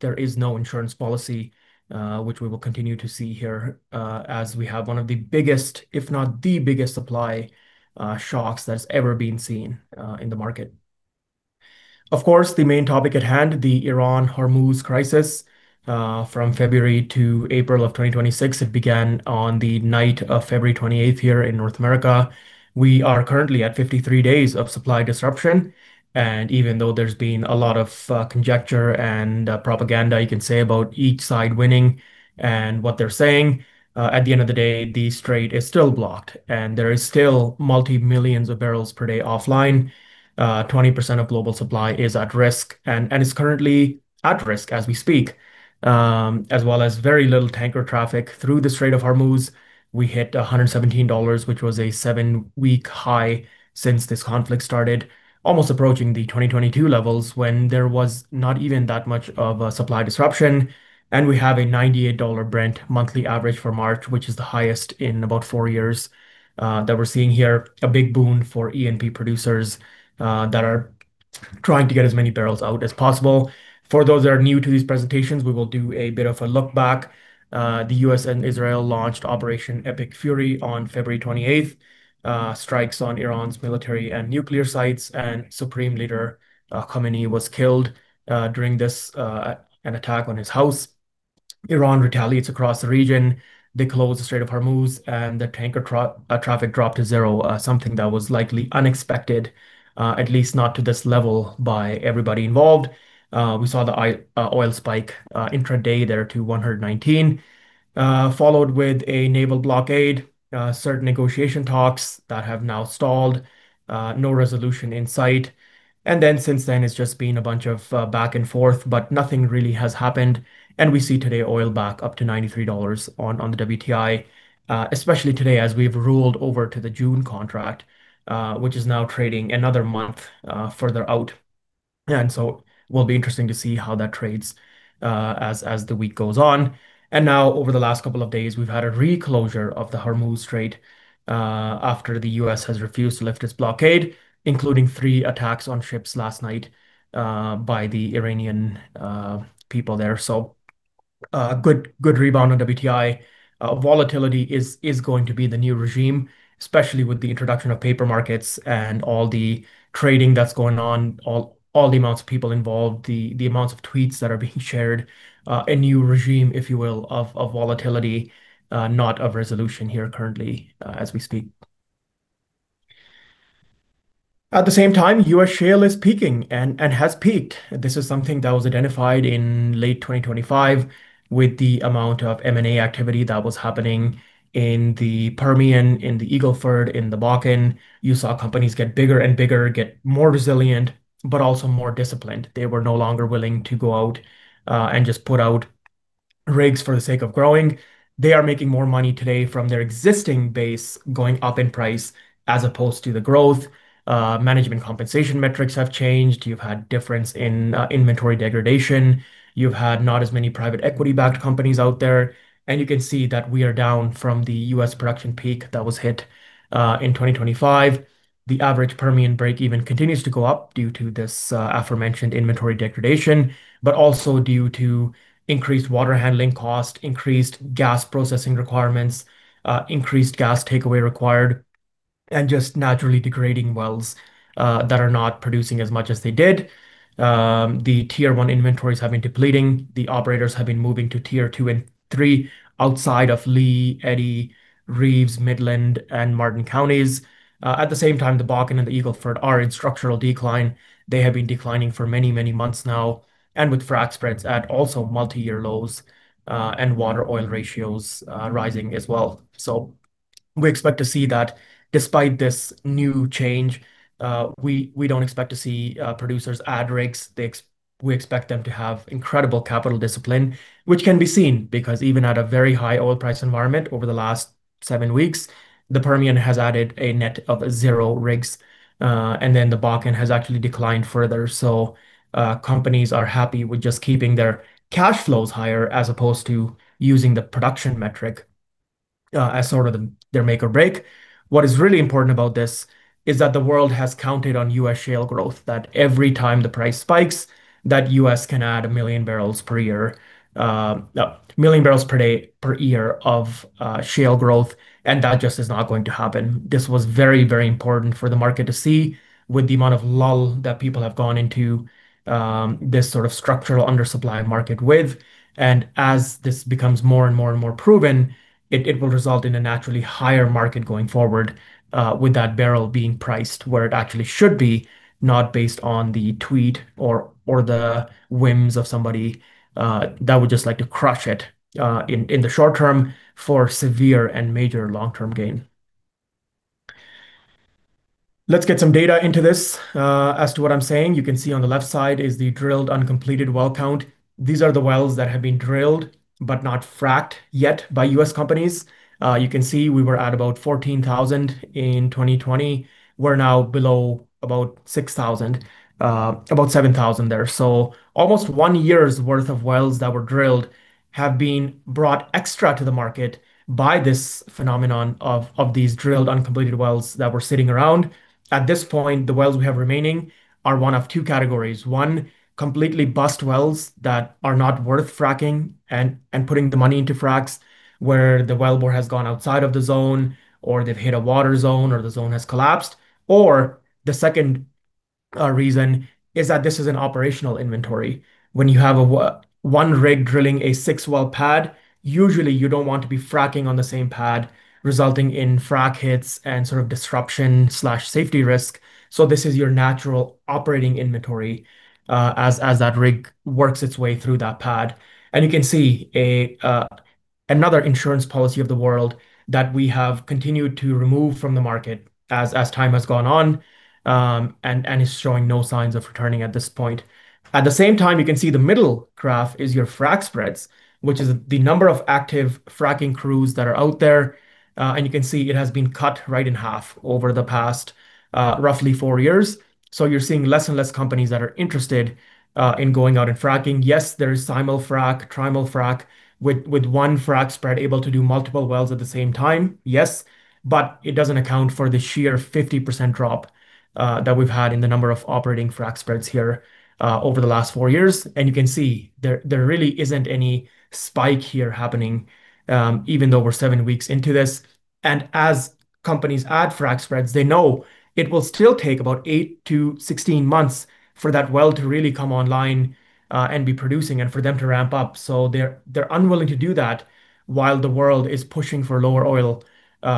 There is no insurance policy, which we will continue to see here, as we have one of the biggest, if not the biggest supply shocks that's ever been seen in the market. Of course, the main topic at hand is the Iran-Hormuz crisis from February to April of 2026. It began on the night of February 28th here in North America. We are currently at 53 days of supply disruption, and even though there's been a lot of conjecture and propaganda you can say about each side winning and what they're saying, at the end of the day, the strait is still blocked. There is still multi-millions of barrels per day offline. 20% of global supply is at risk, and is currently at risk as we speak, as well as very little tanker traffic through the Strait of Hormuz. We hit $117, which was a seven-week high since this conflict started, almost approaching the 2022 levels when there was not even that much of a supply disruption. We have a $98 Brent monthly average for March, which is the highest in about four years, that we're seeing here. A big boom for E&P producers that are trying to get as many barrels out as possible. For those that are new to these presentations, we will do a bit of a look back. The U.S. and Israel launched Operation Epic Fury on February 28th, strikes on Iran's military and nuclear sites, and Supreme Leader Khamenei was killed during an attack on his house. Iran retaliates across the region. They close the Strait of Hormuz, and the tanker traffic dropped to zero, something that was likely unexpected, at least not to this level, by everybody involved. We saw the oil spike intraday there to $119, followed with a naval blockade, certain negotiation talks that have now stalled, no resolution in sight. Then since then, it's just been a bunch of back and forth, but nothing really has happened. We see today oil back up to $93 on the WTI. Especially today as we've rolled over to the June contract, which is now trading another month further out. Will be interesting to see how that trades as the week goes on. Now over the last couple of days, we've had a reclosure of the Hormuz Strait after the U.S. has refused to lift its blockade, including three attacks on ships last night by the Iranian people there. Good rebound on WTI. Volatility is going to be the new regime, especially with the introduction of paper markets and all the trading that's going on, all the amounts of people involved, the amounts of tweets that are being shared. A new regime, if you will, of volatility, not of resolution here currently as we speak. At the same time, U.S. shale is peaking and has peaked. This is something that was identified in late 2025 with the amount of M&A activity that was happening in the Permian, in the Eagle Ford, in the Bakken. You saw companies get bigger and bigger, get more resilient, but also more disciplined. They were no longer willing to go out and just put out rigs for the sake of growing. They are making more money today from their existing base going up in price as opposed to the growth. Management compensation metrics have changed. You've had differences in inventory degradation. You've had not as many private equity-backed companies out there. You can see that we are down from the U.S. production peak that was hit in 2025. The average Permian breakeven continues to go up due to this aforementioned inventory degradation. Also due to increased water handling cost, increased gas processing requirements, increased gas takeaway required, and just naturally degrading wells that are not producing as much as they did. The Tier One inventories have been depleting. The operators have been moving to Tier Two and Three outside of Lee, Eddy, Reeves, Midland, and Martin counties. At the same time, the Bakken and the Eagle Ford are in structural decline. They have been declining for many, many months now. With frac spreads at also multi-year lows, and water/oil ratios rising as well. We expect to see that despite this new change, we don't expect to see producers add rigs. We expect them to have incredible capital discipline, which can be seen, because even at a very high oil price environment over the last seven weeks, the Permian has added a net of zero rigs. Then the Bakken has actually declined further. Companies are happy with just keeping their cash flows higher as opposed to using the production metric as sort of their make or break. What is really important about this is that the world has counted on U.S. shale growth, that every time the price spikes, that U.S. can add 1 MMbpd, no, 1 MMbpd, per year of shale growth, and that just is not going to happen. This was very, very important for the market to see with the amount of lull that people have gone into this sort of structural undersupply market with. This becomes more and more and more proven, it will result in a naturally higher market going forward, with that barrel being priced where it actually should be, not based on the tweet or the whims of somebody that would just like to crush it in the short term for severe and major long-term gain. Let's get some data into this. As to what I'm saying, you can see on the left side is the drilled but uncompleted well count. These are the wells that have been drilled but not fracked yet by U.S. companies. You can see we were at about 14,000 in 2020. We're now below about 6,000, about 7,000 there. Almost one year's worth of wells that were drilled have been brought extra to the market by this phenomenon of these drilled but uncompleted wells that were sitting around. At this point, the wells we have remaining are one of two categories. One, completely bust wells that are not worth fracking and putting the money into fracs, where the well bore has gone outside of the zone, or they've hit a water zone, or the zone has collapsed. Or the second reason is that this is an operational inventory. When you have one rig drilling a six-well pad, usually you don't want to be fracking on the same pad, resulting in frac hits and sort of disruption, safety risk. This is your natural operating inventory, as that rig works its way through that pad. You can see another insurance policy of the world that we have continued to remove from the market as time has gone on, and is showing no signs of returning at this point. At the same time, you can see the middle graph is your frac spreads, which is the number of active fracking crews that are out there. You can see it has been cut right in half over the past, roughly four years. You're seeing less and less companies that are interested in going out and fracking. Yes, there is simul-frac, trimul-frac, with one frac spread able to do multiple wells at the same time. Yes, but it doesn't account for the sheer 50% drop that we've had in the number of operating frac spreads here over the last four years. You can see there really isn't any spike here happening, even though we're seven weeks into this. As companies add frac spreads, they know it will still take about 8-16 months for that well to really come online, and be producing and for them to ramp up. They're unwilling to do that while the world is pushing for lower oil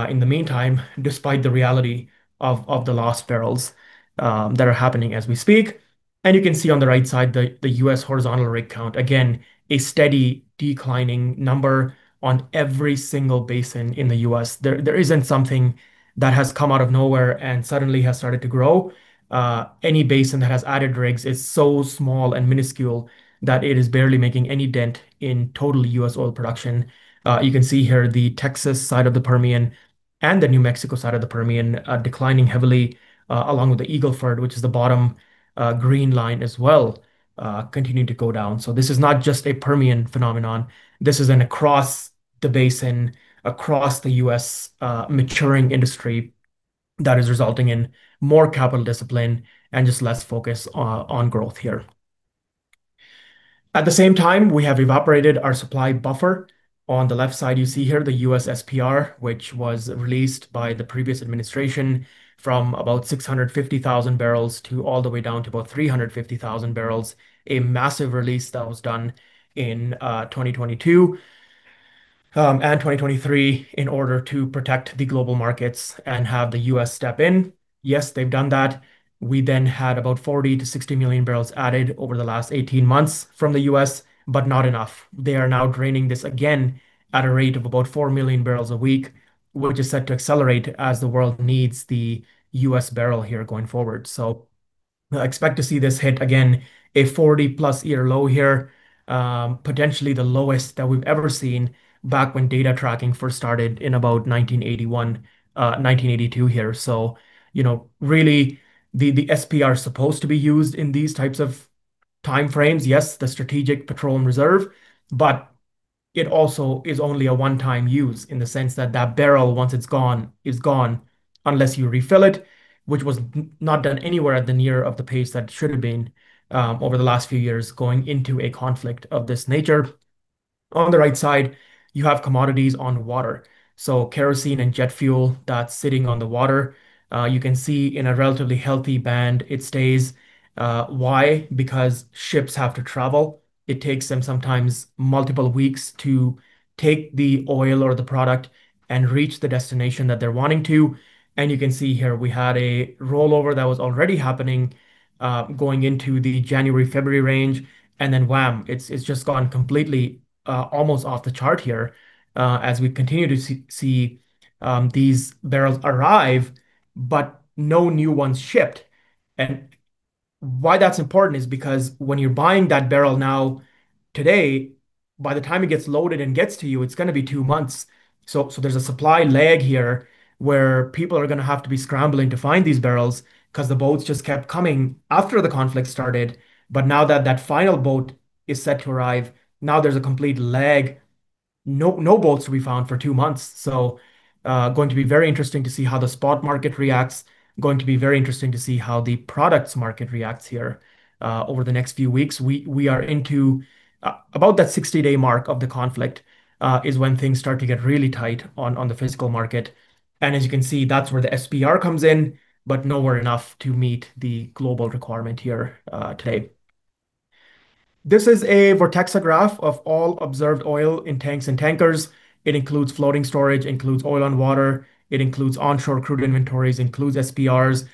in the meantime, despite the reality of the lost barrels that are happening as we speak. You can see on the right side, the U.S. horizontal rig count. Again, a steady declining number on every single basin in the U.S. There isn't something that has come out of nowhere and suddenly has started to grow. Any basin that has added rigs is so small and minuscule that it is barely making any dent in total U.S. oil production. You can see here the Texas side of the Permian and the New Mexico side of the Permian are declining heavily, along with the Eagle Ford, which is the bottom green line as well, continuing to go down. This is not just a Permian phenomenon. This is an across the basin, across the U.S. maturing industry that is resulting in more capital discipline and just less focus on growth here. At the same time, we have evaporated our supply buffer. On the left side, you see here the U.S. SPR, which was released by the previous administration from about 650,000 bbl to all the way down to about 350,000 bbl, a massive release that was done in 2022, and 2023 in order to protect the global markets and have the U.S. step in. Yes, they've done that. We had about 40-60 million bbl added over the last 18 months from the U.S., but not enough. They are now draining this again at a rate of about 4 million bbl a week, which is set to accelerate as the world needs the U.S. barrel here going forward. Expect to see this hit again, a 40+ year low here, potentially the lowest that we've ever seen back when data tracking first started in about 1981, 1982 here. Really the SPR is supposed to be used in these types of time frames. Yes, the Strategic Petroleum Reserve, but it also is only a one-time use in the sense that that barrel, once it's gone, is gone unless you refill it, which was not done anywhere near the pace that should have been, over the last few years, going into a conflict of this nature. On the right side, you have commodities on water. So kerosene and jet fuel that's sitting on the water. You can see in a relatively healthy band, it stays. Why? Because ships have to travel. It takes them sometimes multiple weeks to take the oil or the product and reach the destination that they're wanting to. You can see here we had a rollover that was already happening, going into the January-February range, and then wham. It's just gone completely, almost off the chart here, as we continue to see these barrels arrive, but no new ones shipped. Why that's important is because when you're buying that barrel now today, by the time it gets loaded and gets to you, it's going to be two months. There's a supply lag here where people are going to have to be scrambling to find these barrels because the boats just kept coming after the conflict started. Now that the final boat is set to arrive, now there's a complete lag. No boats to be found for two months. Going to be very interesting to see how the spot market reacts. Going to be very interesting to see how the products market reacts here, over the next few weeks. We are into about that 60-day mark of the conflict, is when things start to get really tight on the physical market. As you can see, that's where the SPR comes in, but nowhere enough to meet the global requirement here today. This is a Vortexa graph of all observed oil in tanks and tankers. It includes floating storage, includes oil on water. It includes onshore crude inventories, includes SPRs.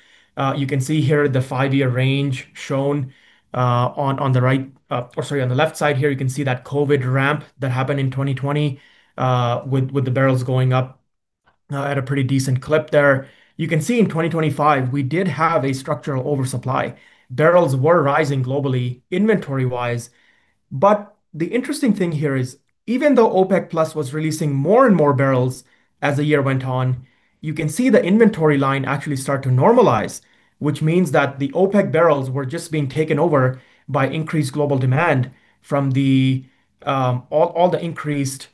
You can see here the five-year range shown on the right, or, sorry, on the left side here, you can see that COVID ramp that happened in 2020, with the barrels going up at a pretty decent clip there. You can see in 2025, we did have a structural oversupply. Barrels were rising globally inventory-wise. The interesting thing here is, even though OPEC+ was releasing more and more barrels as the year went on, you can see the inventory line actually start to normalize, which means that the OPEC+ barrels were just being taken over by increased global demand from all the increased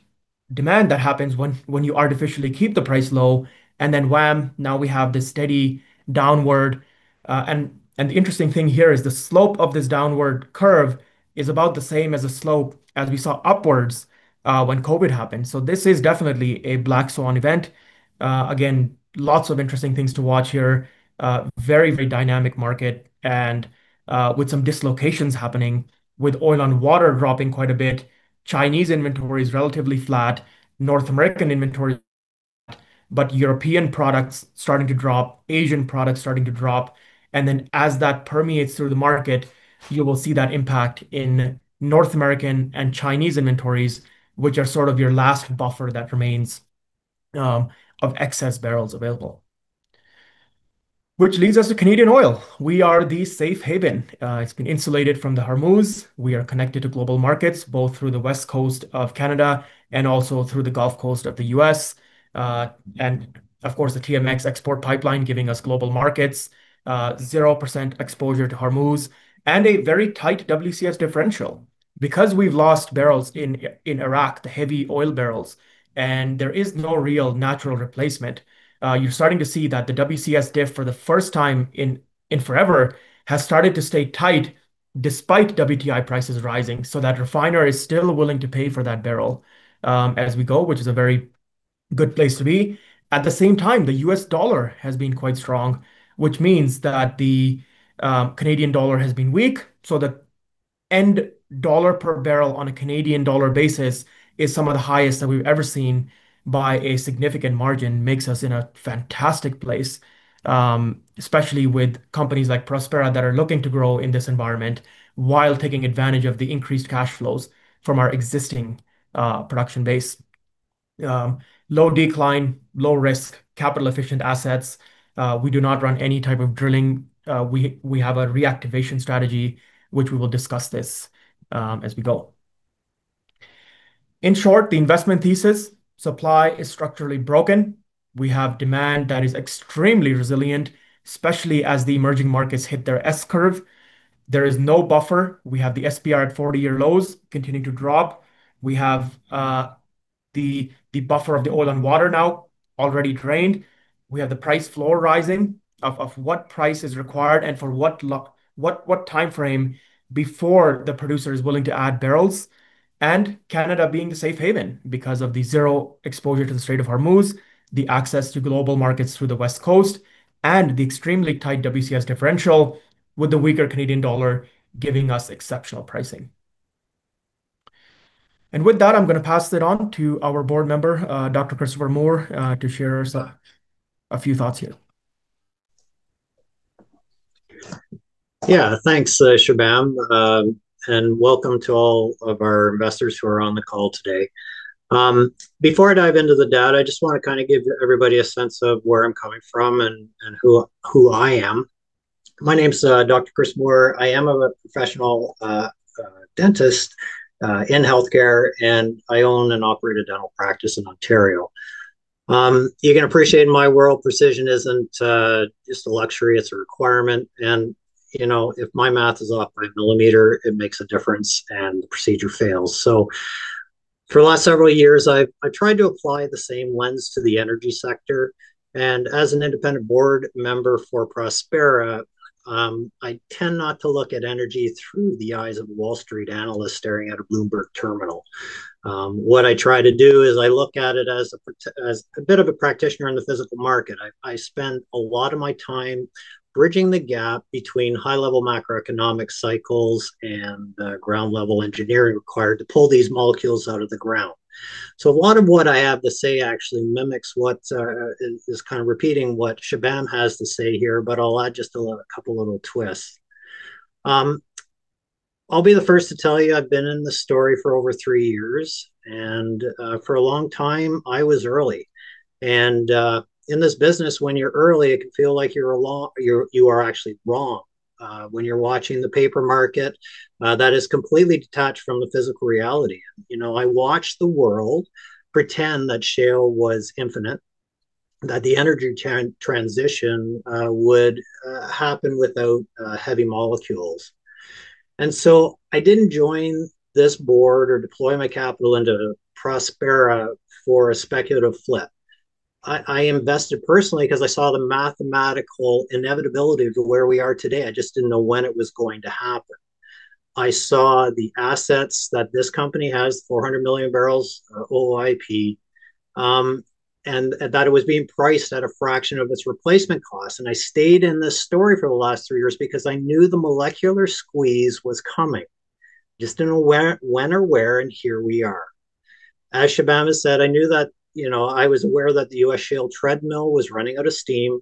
demand that happens when you artificially keep the price low, and then wham, now we have this steady downward. The interesting thing here is the slope of this downward curve is about the same as the slope as we saw upwards when COVID happened. This is definitely a black swan event. Again, lots of interesting things to watch here. Very, very dynamic market and with some dislocations happening with oil on water dropping quite a bit. Chinese inventory is relatively flat. North American inventory, but European products starting to drop. Asian products starting to drop. Then as that permeates through the market, you will see that impact in North American and Chinese inventories, which are sort of your last buffer that remains of excess barrels available. Which leads us to Canadian oil. We are the safe haven. It's been insulated from the Hormuz. We are connected to global markets, both through the West Coast of Canada and also through the Gulf Coast of the U.S. Of course, the TMX export pipeline giving us global markets, 0% exposure to Hormuz, and a very tight WCS differential. Because we've lost barrels in Iraq, the heavy oil barrels, and there is no real natural replacement, you're starting to see that the WCS diff for the first time in forever has started to stay tight despite WTI prices rising. That refiner is still willing to pay for that barrel as we go, which is a very good place to be. At the same time, the US dollar has been quite strong, which means that the Canadian dollar has been weak, so the end dollar per barrel on a Canadian dollar basis is some of the highest that we've ever seen by a significant margin. [This] makes us in a fantastic place, especially with companies like Prospera that are looking to grow in this environment while taking advantage of the increased cash flows from our existing production base. Low decline, low risk, capital-efficient assets. We do not run any type of drilling. We have a reactivation strategy, which we will discuss this as we go. In short, the investment thesis. Supply is structurally broken. We have demand that is extremely resilient, especially as the emerging markets hit their S-curve. There is no buffer. We have the SPR at 40-year lows, continuing to drop. We have the buffer of the oil and water now already drained. We have the price floor rising of what price is required and for what timeframe before the producer is willing to add barrels. Canada being the safe haven because of the zero exposure to the Strait of Hormuz, the access to global markets through the West Coast, and the extremely tight WCS differential with the weaker Canadian dollar giving us exceptional pricing. With that, I'm going to pass it on to our board member, Dr. Christopher Moore, to share a few thoughts here. Yeah. Thanks, Shubham, and welcome to all of our investors who are on the call today. Before I dive into the data, I just want to give everybody a sense of where I'm coming from and who I am. My name's Dr. Chris Moore. I am a professional dentist in healthcare, and I own and operate a dental practice in Ontario. You can appreciate in my world, precision isn't just a luxury, it's a requirement. If my math is off by a millimeter, it makes a difference and the procedure fails. For the last several years, I've tried to apply the same lens to the energy sector. As an independent board member for Prospera, I tend not to look at energy through the eyes of Wall Street analysts staring at a Bloomberg terminal. What I try to do is I look at it as a bit of a practitioner in the physical market. I spend a lot of my time bridging the gap between high-level macroeconomic cycles and the ground-level engineering required to pull these molecules out of the ground. A lot of what I have to say actually mimics what is kind of repeating what Shubham has to say here, but I'll add just a couple little twists. I'll be the first to tell you I've been in this story for over three years, and for a long time, I was early. In this business, when you're early, it can feel like you are actually wrong. When you're watching the paper market, that is completely detached from the physical reality. I watched the world pretend that shale was infinite, that the energy transition would happen without heavy molecules. I didn't join this board or deploy my capital into Prospera for a speculative flip. I invested personally because I saw the mathematical inevitability of where we are today. I just didn't know when it was going to happen. I saw the assets that this company has, 400 million bbl OOIP, and that it was being priced at a fraction of its replacement cost. I stayed in this story for the last three years because I knew the molecular squeeze was coming. Just didn't know when or where, and here we are. As Shubham has said, I was aware that the U.S. shale treadmill was running out of steam,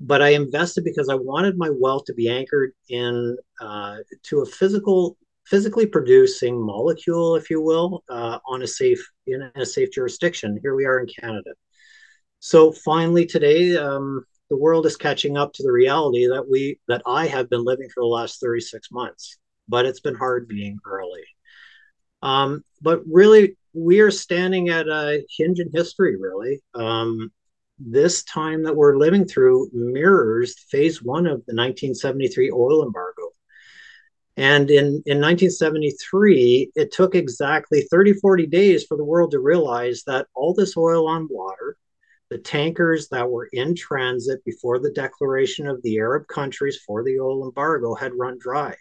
but I invested because I wanted my wealth to be anchored in to a physically producing molecule, if you will, in a safe jurisdiction. Here we are in Canada. Finally today, the world is catching up to the reality that I have been living for the last 36 months. It's been hard being early. Really, we are standing at a hinge in history, really. This time that we're living through mirrors phase one of the 1973 oil embargo. In 1973, it took exactly 30, 40 days for the world to realize that all this oil on water, the tankers that were in transit before the declaration of the Arab countries for the oil embargo, had run dry.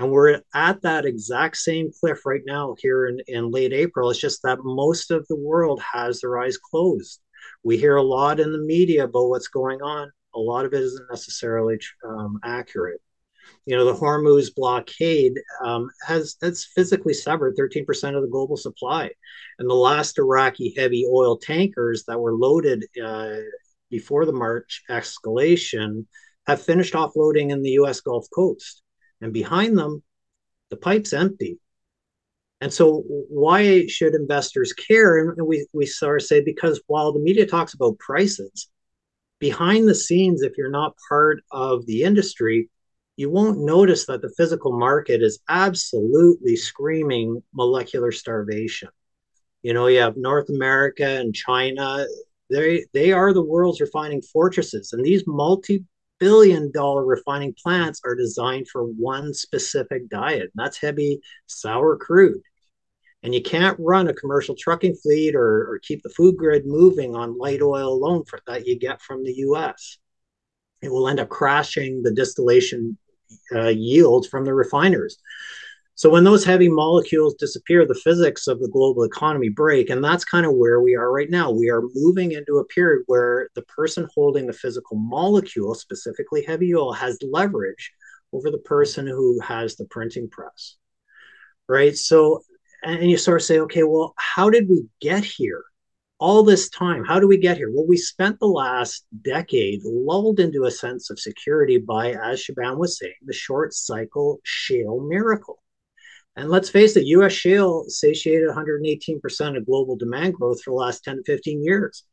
We're at that exact same cliff right now, here in late April. It's just that most of the world has their eyes closed. We hear a lot in the media about what's going on. A lot of it isn't necessarily accurate. The Hormuz blockade has physically severed 13% of the global supply, and the last Iraqi heavy oil tankers that were loaded before the March escalation have finished offloading in the U.S. Gulf Coast, and behind them, the pipe's empty. Why should investors care? We sort of say, because while the media talks about prices, behind the scenes, if you're not part of the industry, you won't notice that the physical market is absolutely screaming molecular starvation. You have North America and China. They are the world's refining fortresses, and these multi-billion-dollar refining plants are designed for one specific diet, and that's heavy sour crude. You can't run a commercial trucking fleet or keep the food grid moving on light oil alone that you get from the U.S. It will end up crashing the distillation yields from the refiners. When those heavy molecules disappear, the physics of the global economy break, and that's kind of where we are right now. We are moving into a period where the person holding the physical molecule, specifically heavy oil, has leverage over the person who has the printing press, right? And you sort of say, "Okay, well, how did we get here? All this time, how did we get here?" Well, we spent the last decade lulled into a sense of security by, as Shubham was saying, the short cycle shale miracle. Let's face it, US shale satiated 118% of global demand growth for the last 10-15 years.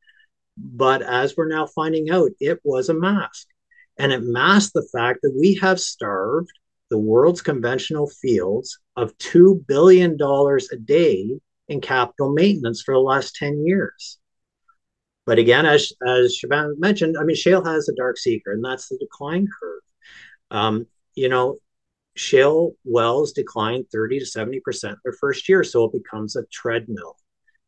As we're now finding out, it was a mask, and it masked the fact that we have starved the world's conventional fields of $2 billion a day in capital maintenance for the last 10 years. Again, as Shubham mentioned, shale has a dark secret, and that's the decline curve. Shale wells decline 30%-70% their first year, so it becomes a treadmill.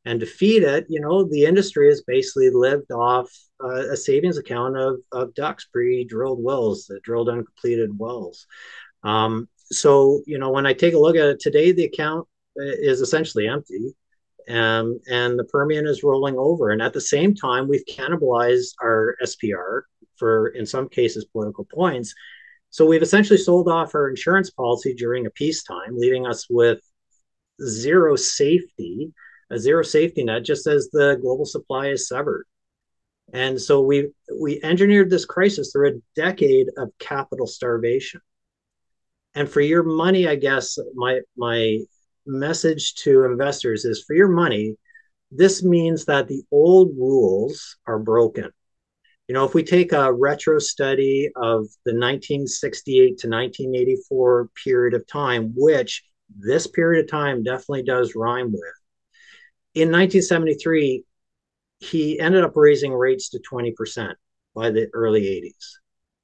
To feed it, the industry has basically lived off a savings account of DUCs, pre-drilled wells, drilled uncompleted wells. When I take a look at it today, the account is essentially empty, and the Permian is rolling over, and at the same time, we've cannibalized our SPR for, in some cases, political points. We've essentially sold off our insurance policy during a peacetime, leaving us with zero safety, a zero safety net, just as the global supply is severed. We engineered this crisis through a decade of capital starvation. For your money, I guess, my message to investors is, for your money, this means that the old rules are broken. If we take a retro study of the 1968 to 1984 period of time, which this period of time definitely does rhyme with. In 1973, he ended up raising rates to 20% by the early 1980s,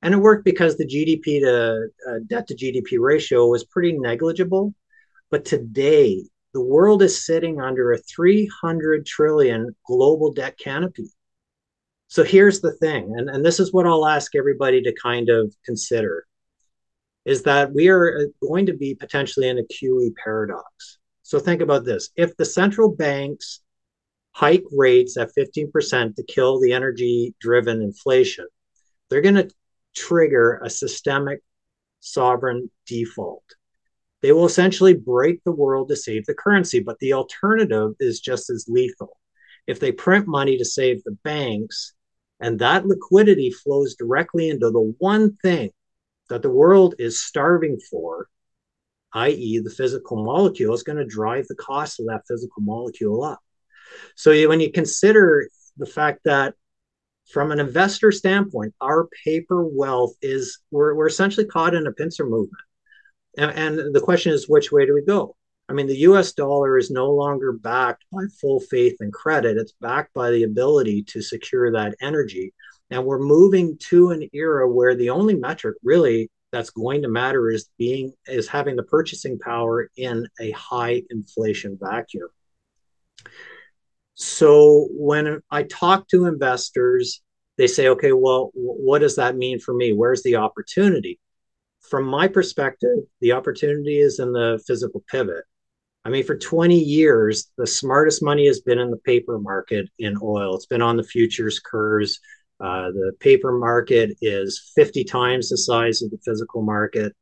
and it worked because the debt-to-GDP ratio was pretty negligible. Today, the world is sitting under a $300 trillion global debt canopy. Here's the thing, and this is what I'll ask everybody to kind of consider, is that we are going to be potentially in a QE paradox. Think about this. If the central banks hike rates at 15% to kill the energy-driven inflation, they're going to trigger a systemic sovereign default. They will essentially break the world to save the currency, but the alternative is just as lethal. If they print money to save the banks, and that liquidity flows directly into the one thing that the world is starving for, i.e., the physical molecule, it's going to drive the cost of that physical molecule up. When you consider the fact that from an investor standpoint, our paper wealth is we're essentially caught in a pincer movement, and the question is, which way do we go? The U.S. dollar is no longer backed by full faith and credit. It's backed by the ability to secure that energy. Now we're moving to an era where the only metric really that's going to matter is having the purchasing power in a high inflation vacuum. When I talk to investors, they say, "Okay, well, what does that mean for me? Where's the opportunity?" From my perspective, the opportunity is in the physical pivot. For 20 years, the smartest money has been in the paper market in oil. It's been on the futures curves. The paper market is 50 times the size of the physical market.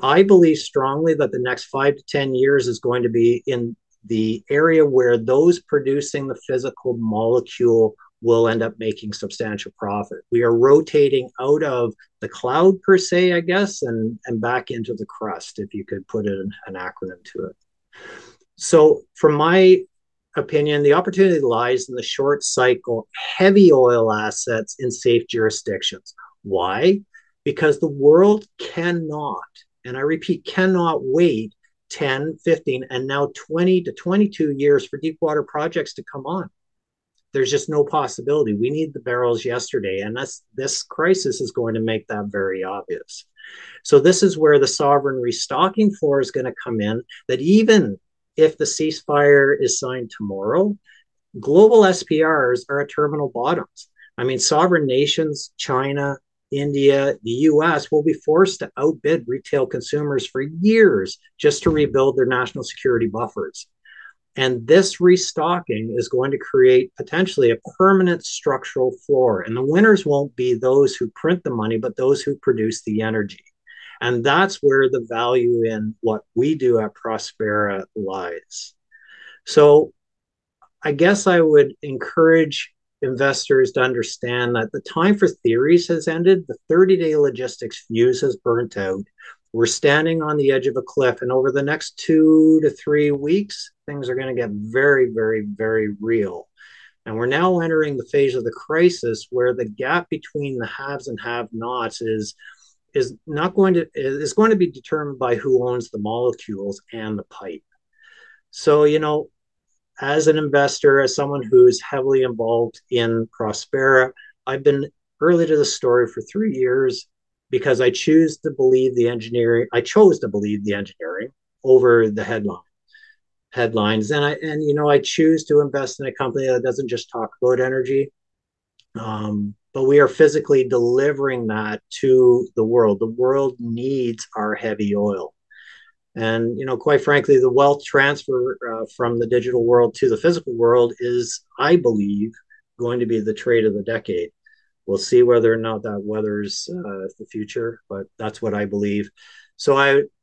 I believe strongly that the next 5-10 years is going to be in the area where those producing the physical molecule will end up making substantial profit. We are rotating out of the cloud, per se, I guess, and back into the crust, if you could put an acronym to it. From my opinion, the opportunity lies in the short cycle, heavy oil assets in safe jurisdictions. Why? Because the world cannot, and I repeat, cannot wait 10, 15, and now 20-22 years for deepwater projects to come on. There's just no possibility. We need the barrels yesterday, and this crisis is going to make that very obvious. This is where the sovereign restocking floor is going to come in, that even if the ceasefire is signed tomorrow, global SPRs are at terminal bottoms. Sovereign nations, China, India, the U.S., will be forced to outbid retail consumers for years just to rebuild their national security buffers. This restocking is going to create potentially a permanent structural floor. The winners won't be those who print the money, but those who produce the energy. That's where the value in what we do at Prospera lies. I guess I would encourage investors to understand that the time for theories has ended. The 30-day logistics fuse has burnt out. We're standing on the edge of a cliff, and over the next two-three weeks, things are going to get very, very, very real. We're now entering the phase of the crisis where the gap between the haves and have-nots is going to be determined by who owns the molecules and the pipe. As an investor, as someone who's heavily involved in Prospera, I've been early to the story for three years because I chose to believe the engineering over the headlines. I choose to invest in a company that doesn't just talk about energy, but we are physically delivering that to the world. The world needs our heavy oil. Quite frankly, the wealth transfer from the digital world to the physical world is, I believe, going to be the trade of the decade. We'll see whether or not that weathers the future, but that's what I believe.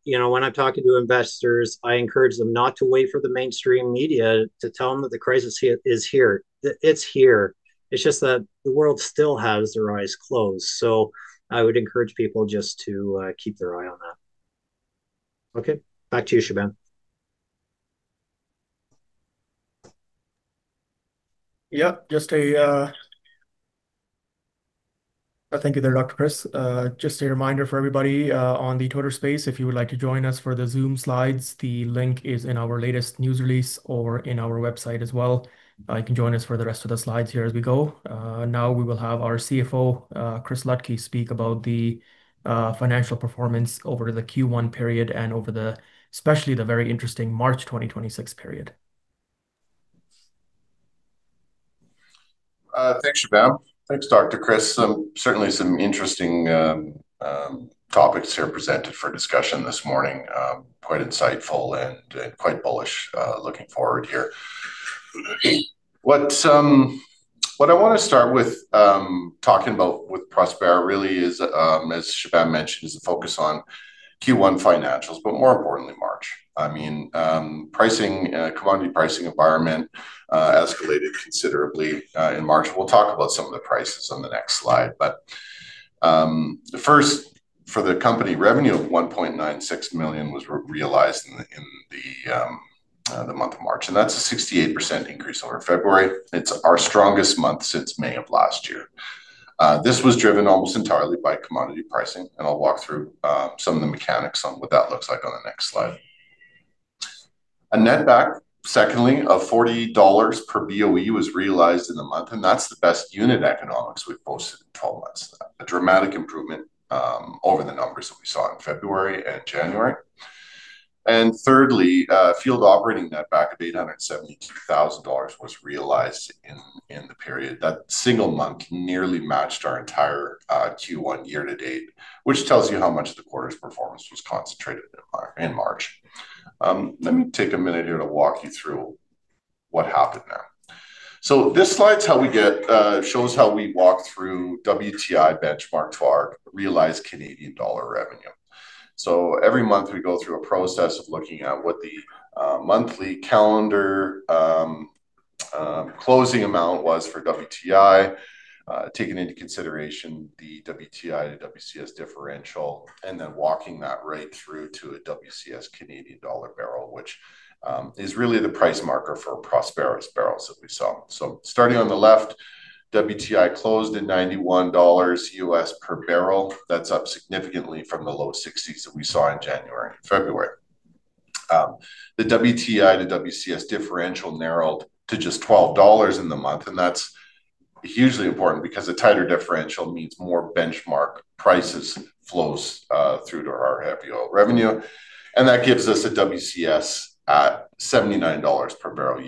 When I'm talking to investors, I encourage them not to wait for the mainstream media to tell them that the crisis hit is here. It's here. It's just that the world still has their eyes closed. I would encourage people just to keep their eye on that. Okay. Back to you, Shubham. Yeah. Thank you there, Dr. Chris. Just a reminder for everybody on the Twitter Space, if you would like to join us for the Zoom slides, the link is in our latest news release or in our website as well. You can join us for the rest of the slides here as we go. Now we will have our CFO, Chris Ludtke, speak about the financial performance over the Q1 period and over the, especially the very interesting March 2026 period. Thanks, Shubham. Thanks, Dr. Chris. Certainly, some interesting topics here presented for discussion this morning. Quite insightful and quite bullish looking forward here. What I want to start with talking about with Prospera really is, as Shubham mentioned, the focus on Q1 financials, but more importantly, March. Commodity pricing environment escalated considerably in March. We'll talk about some of the prices on the next slide. First, for the company, revenue of 1.96 million was realized in the month of March, and that's a 68% increase over February. It's our strongest month since May of last year. This was driven almost entirely by commodity pricing, and I'll walk through some of the mechanics on what that looks like on the next slide. A netback, secondly, of $40 per BOE was realized in the month, and that's the best unit economics we've posted in 12 months. A dramatic improvement over the numbers that we saw in February and January. Thirdly, field operating netback of CAD 872,000 was realized in the period. That single month nearly matched our entire Q1 year to date, which tells you how much the quarter's performance was concentrated in March. Let me take a minute here to walk you through what happened there. This slide shows how we walk through WTI benchmark to our realized Canadian dollar revenue. Every month, we go through a process of looking at what the monthly calendar closing amount was for WTI, taking into consideration the WTI to WCS differential, and then walking that right through to a WCS Canadian dollar barrel, which is really the price marker for Prospera's barrels that we sell. Starting on the left, WTI closed at $91 U.S. per barrel. That's up significantly from the low 60s that we saw in January and February. The WTI to WCS differential narrowed to just $12 in the month, and that's hugely important because a tighter differential means more benchmark prices flows through to our heavy oil revenue, and that gives us a WCS at $79 USD per barrel.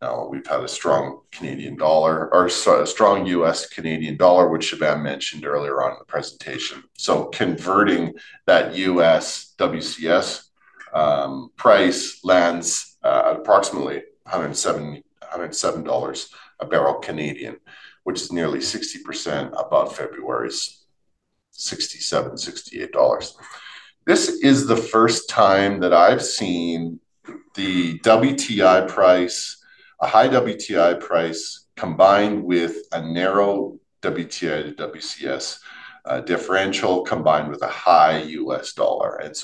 Now, we've had a strong US Canadian dollar, which Shubham mentioned earlier on in the presentation. Converting that US WCS price lands at approximately 107 dollars per barrel, which is nearly 60% above February's 67, 68 dollars. This is the first time that I've seen a high WTI price combined with a narrow WTI to WCS differential, combined with a high US dollar. It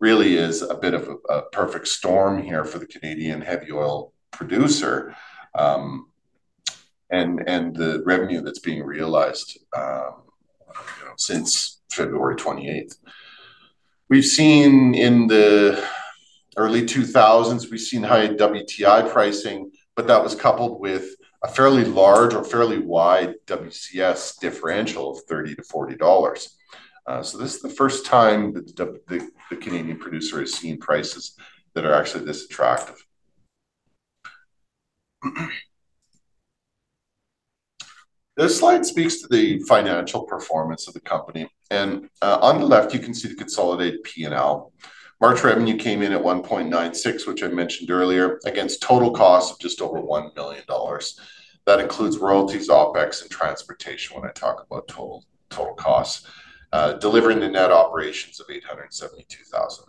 really is a bit of a perfect storm here for the Canadian heavy oil producer, and the revenue that's being realized since February 28th. We've seen in the early 2000s, we've seen high WTI pricing, but that was coupled with a fairly large or fairly wide WCS differential of $30-$40. This is the first time that the Canadian producer has seen prices that are actually this attractive. This slide speaks to the financial performance of the company. On the left, you can see the consolidated P&L. March revenue came in at $1.96 million, which I mentioned earlier, against total costs of just over $1 million. That includes royalties, OpEx, and transportation when I talk about total costs, delivering the net operations of $872,000.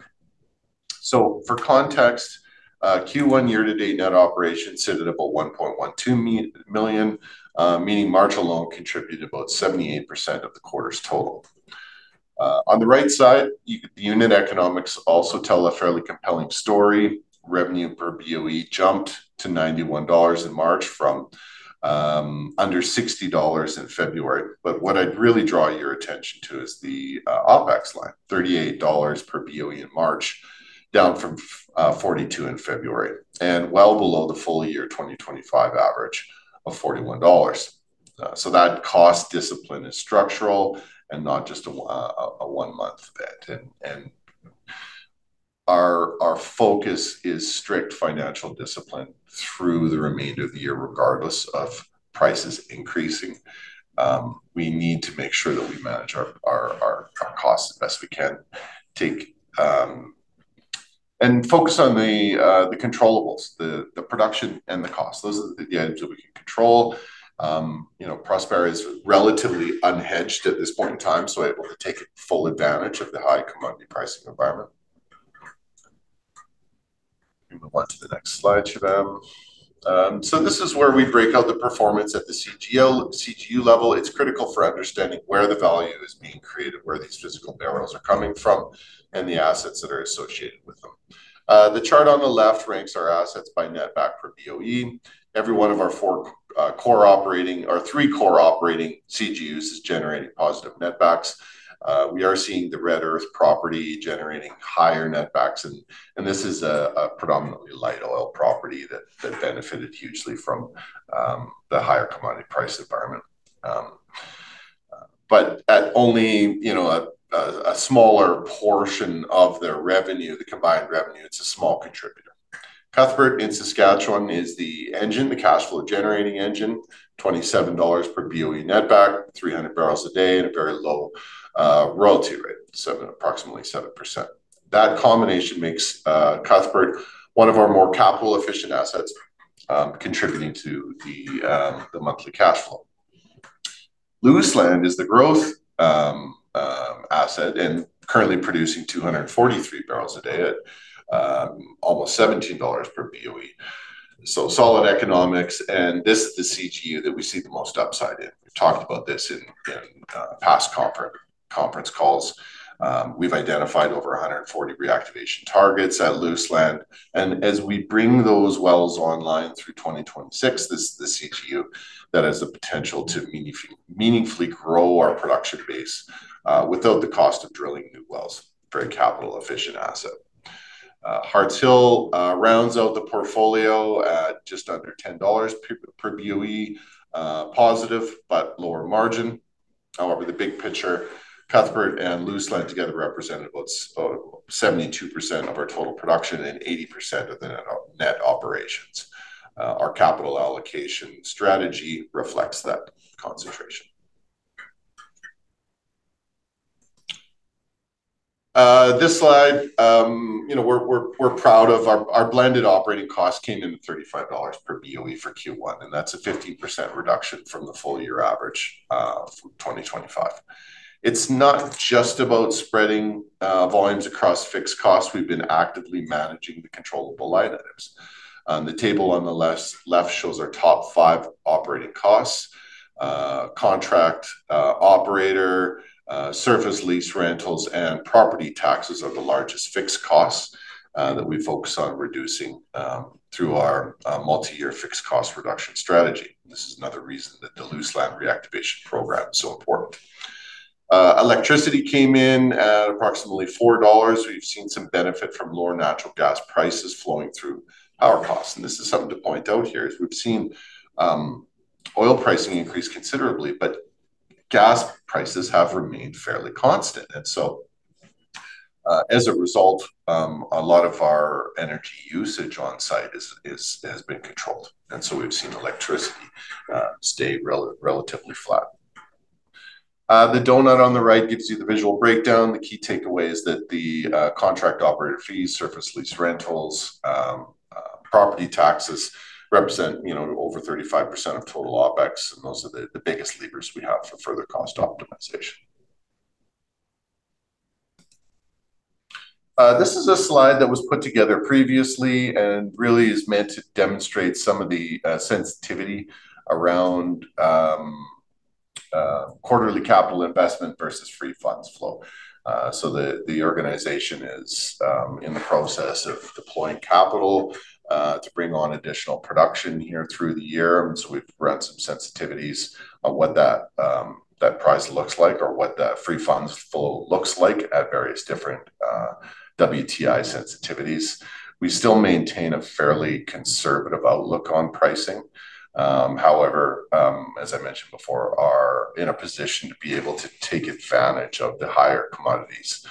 For context, Q1 year-to-date net operations sitting at about $1.12 million, meaning March alone contributed about 78% of the quarter's total. On the right side, the unit economics also tell a fairly compelling story. Revenue per BOE jumped to $91 in March from under $60 in February. What I'd really draw your attention to is the OpEx line, $38 per BOE in March, down from $42 in February, and well below the full year 2025 average of $41. That cost discipline is structural and not just a one-month event. Our focus is strict financial discipline through the remainder of the year, regardless of prices increasing. We need to make sure that we manage our costs as best we can. Focus on the controllables, the production and the cost. Those are the engines that we can control. Prospera is relatively unhedged at this point in time, so able to take full advantage of the high commodity pricing environment. Can you move on to the next slide, Shubham? This is where we break out the performance at the CGU level. It's critical for understanding where the value is being created, where these physical barrels are coming from, and the assets that are associated with them. The chart on the left ranks our assets by netback per BOE. Every one of our three core operating CGUs is generating positive netbacks. We are seeing the Red Earth property generating higher netbacks, and this is a predominantly light oil property that benefited hugely from the higher commodity price environment. At only a smaller portion of their revenue, the combined revenue, it's a small contributor. Cuthbert in Saskatchewan is the engine, the cash flow generating engine, $27 per BOE netback, 300 bbl a day and a very low royalty rate, approximately 7%. That combination makes Cuthbert one of our more capital efficient assets, contributing to the monthly cash flow. Luseland is the growth asset and currently producing 243 bbl a day at almost $17 per BOE. Solid economics. This is the CGU that we see the most upside in. We've talked about this in past conference calls. We've identified over 140 reactivation targets at Luseland. As we bring those wells online through 2026, this is the CGU that has the potential to meaningfully grow our production base, without the cost of drilling new wells. Very capital efficient asset. Heart's Hill rounds out the portfolio at just under $10 per BOE, positive but lower margin. However, the big picture, Cuthbert and Luseland together represent about 72% of our total production and 80% of the net operations. Our capital allocation strategy reflects that concentration. This slide, we're proud of our blended operating cost came in at $35 per BOE for Q1, and that's a 15% reduction from the full year average of 2025. It's not just about spreading volumes across fixed costs. We've been actively managing the controllable line items. The table on the left shows our top five operating costs, contract operator, surface lease rentals, and property taxes are the largest fixed costs that we focus on reducing through our multi-year fixed cost reduction strategy. This is another reason that the Luseland reactivation program is so important. Electricity came in at approximately $4. We've seen some benefit from lower natural gas prices flowing through power costs. This is something to point out here is we've seen oil pricing increase considerably, but gas prices have remained fairly constant. As a result, a lot of our energy usage on site has been controlled, and so we've seen electricity stay relatively flat. The donut on the right gives you the visual breakdown. The key takeaway is that the contract operator fees, surface lease rentals, property taxes represent over 35% of total OpEx, and those are the biggest levers we have for further cost optimization. This is a slide that was put together previously and really is meant to demonstrate some of the sensitivity around quarterly capital investment versus free funds flow. The organization is in the process of deploying capital to bring on additional production here through the year. We've run some sensitivities on what that price looks like or what the free funds flow looks like at various different WTI sensitivities. We still maintain a fairly conservative outlook on pricing. However, as I mentioned before, we are in a position to be able to take advantage of the higher commodities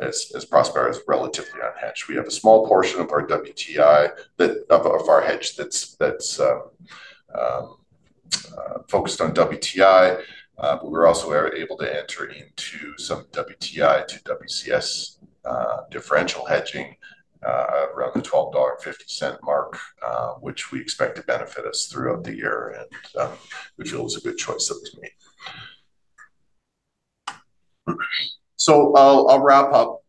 as Prospera is relatively unhedged. We have a small portion of our hedge that's focused on WTI, but we're also able to enter into some WTI to WCS differential hedging around the $12.50 mark, which we expect to benefit us throughout the year and we feel is a good choice to make. I'll wrap up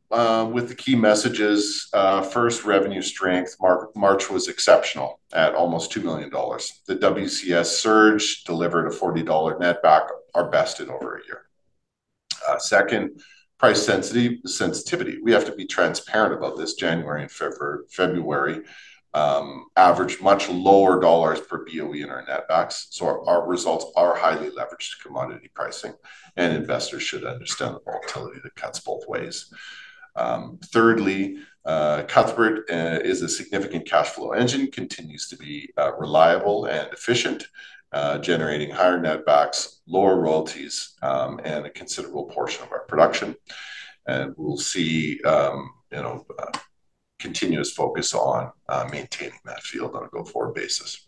with the key messages. First, revenue strength. March was exceptional at almost $2 million. The WCS surge delivered a $40 netback, our best in over a year. Second, price sensitivity. We have to be transparent about this. January and February averaged much lower dollars per BOE in our netbacks. Our results are highly leveraged to commodity pricing, and investors should understand the volatility that cuts both ways. Thirdly, Cuthbert is a significant cash flow engine, continues to be reliable and efficient, generating higher netbacks, lower royalties, and a considerable portion of our production. We'll see continuous focus on maintaining that field on a go-forward basis.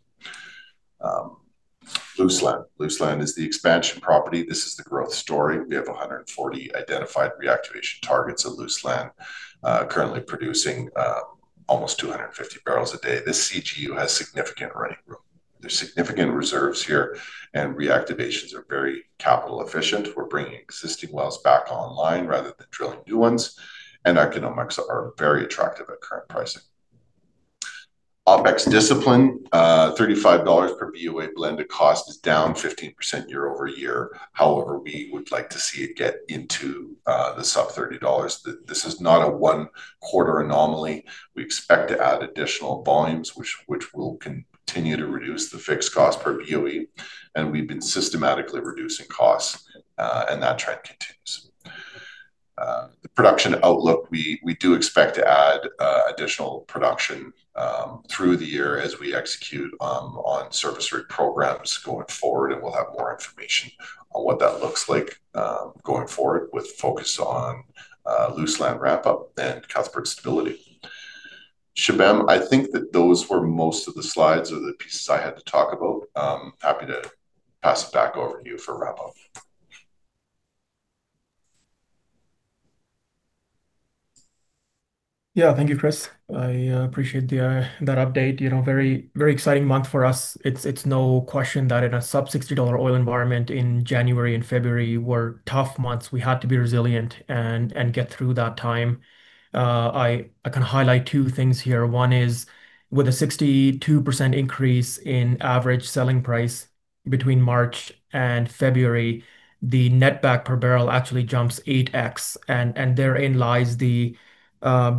Luseland. Luseland is the expansion property. This is the growth story. We have 140 identified reactivation targets of Luseland, currently producing almost 250 bbl a day. This CGU has significant running room. There's significant reserves here, and reactivations are very capital efficient. We're bringing existing wells back online rather than drilling new ones, and economics are very attractive at current pricing. OpEx discipline, $35 per BOE blended cost is down 15% YoY. However, we would like to see it get into the sub-$30. This is not a one-quarter anomaly. We expect to add additional volumes, which will continue to reduce the fixed cost per BOE, and we've been systematically reducing costs, and that trend continues. The production outlook, we do expect to add additional production through the year as we execute on service rig programs going forward, and we'll have more information on what that looks like going forward with focus on Luseland ramp-up and Cuthbert stability. Shubham, I think that those were most of the slides or the pieces I had to talk about. Happy to pass it back over to you for wrap up. Yeah. Thank you, Chris. I appreciate that update. Very exciting month for us. There's no question that in a sub $60 oil environment, in January and February were tough months. We had to be resilient and get through that time. I can highlight two things here. One is with a 62% increase in average selling price between March and February, the netback per barrel actually jumps 8x, and therein lies the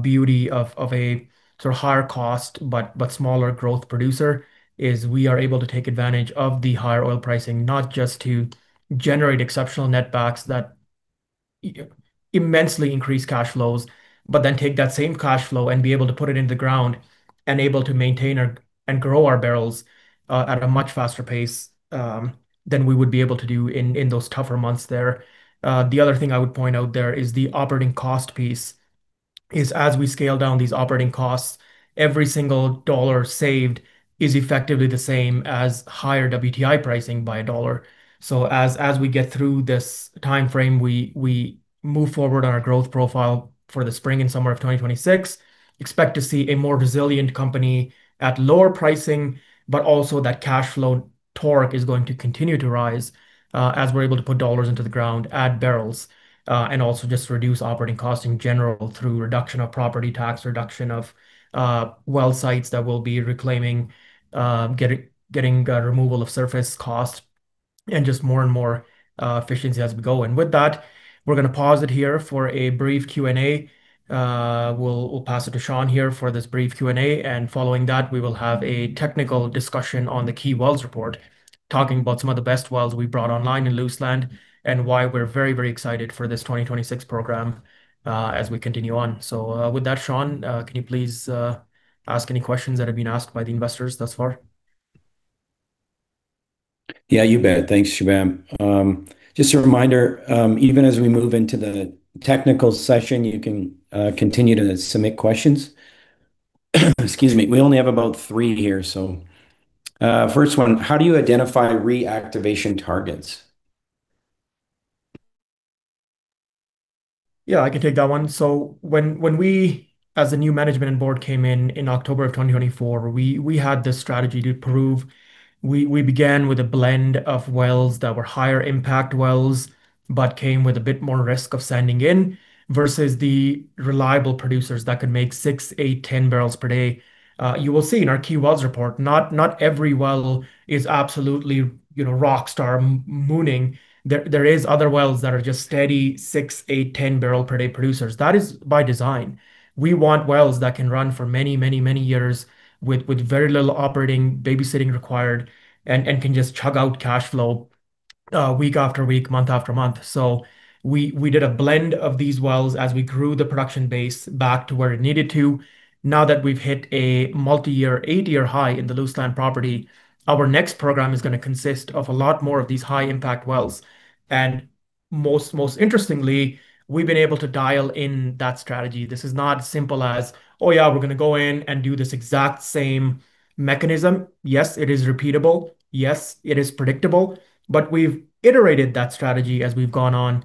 beauty of a sort of higher cost, but smaller growth producer is we are able to take advantage of the higher oil pricing, not just to generate exceptional netbacks that immensely increase cash flows, but then take that same cash flow and be able to put it in the ground and able to maintain and grow our barrels at a much faster pace than we would be able to do in those tougher months there. The other thing I would point out there is the operating cost piece, is as we scale down these operating costs, every single dollar saved is effectively the same as higher WTI pricing by a dollar. As we get through this timeframe, we move forward on our growth profile for the spring and summer of 2026. Expect to see a more resilient company at lower pricing, but also that cash flow torque is going to continue to rise, as we're able to put dollars into the ground, add barrels, and also just reduce operating costs in general through reduction of property tax, reduction of well sites that we'll be reclaiming, getting removal of surface costs, and just more and more efficiency as we go. With that, we're going to pause it here for a brief Q&A. We'll pass it to Sean here for this brief Q&A. Following that, we will have a technical discussion on the Key Wells Report, talking about some of the best wells we brought online in Luseland, and why we're very excited for this 2026 program, as we continue on. With that, Sean, can you please ask any questions that have been asked by the investors thus far? Yeah, you bet. Thanks, Shubham. Just a reminder, even as we move into the technical session, you can continue to submit questions. Excuse me. We only have about three here. First one, how do you identify reactivation targets? Yeah, I can take that one. When we as a new management and board came in in October of 2024, we had this strategy to prove. We began with a blend of wells that were higher impact wells, but came with a bit more risk of sending in versus the reliable producers that could make 6, 8, 10 bbl per day. You will see in our Key Wells Report, not every well is absolutely rockstar mooning. There is other wells that are just steady 6, 8, 10 bbl per day producers. That is by design. We want wells that can run for many years with very little operating babysitting required and can just chug out cash flow week after week, month after month. We did a blend of these wells as we grew the production base back to where it needed to. Now that we've hit a multi-year, eight-year high in the Luseland property, our next program is going to consist of a lot more of these high impact wells. Most interestingly, we've been able to dial in that strategy. This is not as simple as, "Oh, yeah, we're going to go in and do this exact same mechanism." Yes, it is repeatable. Yes, it is predictable. We've iterated that strategy as we've gone on,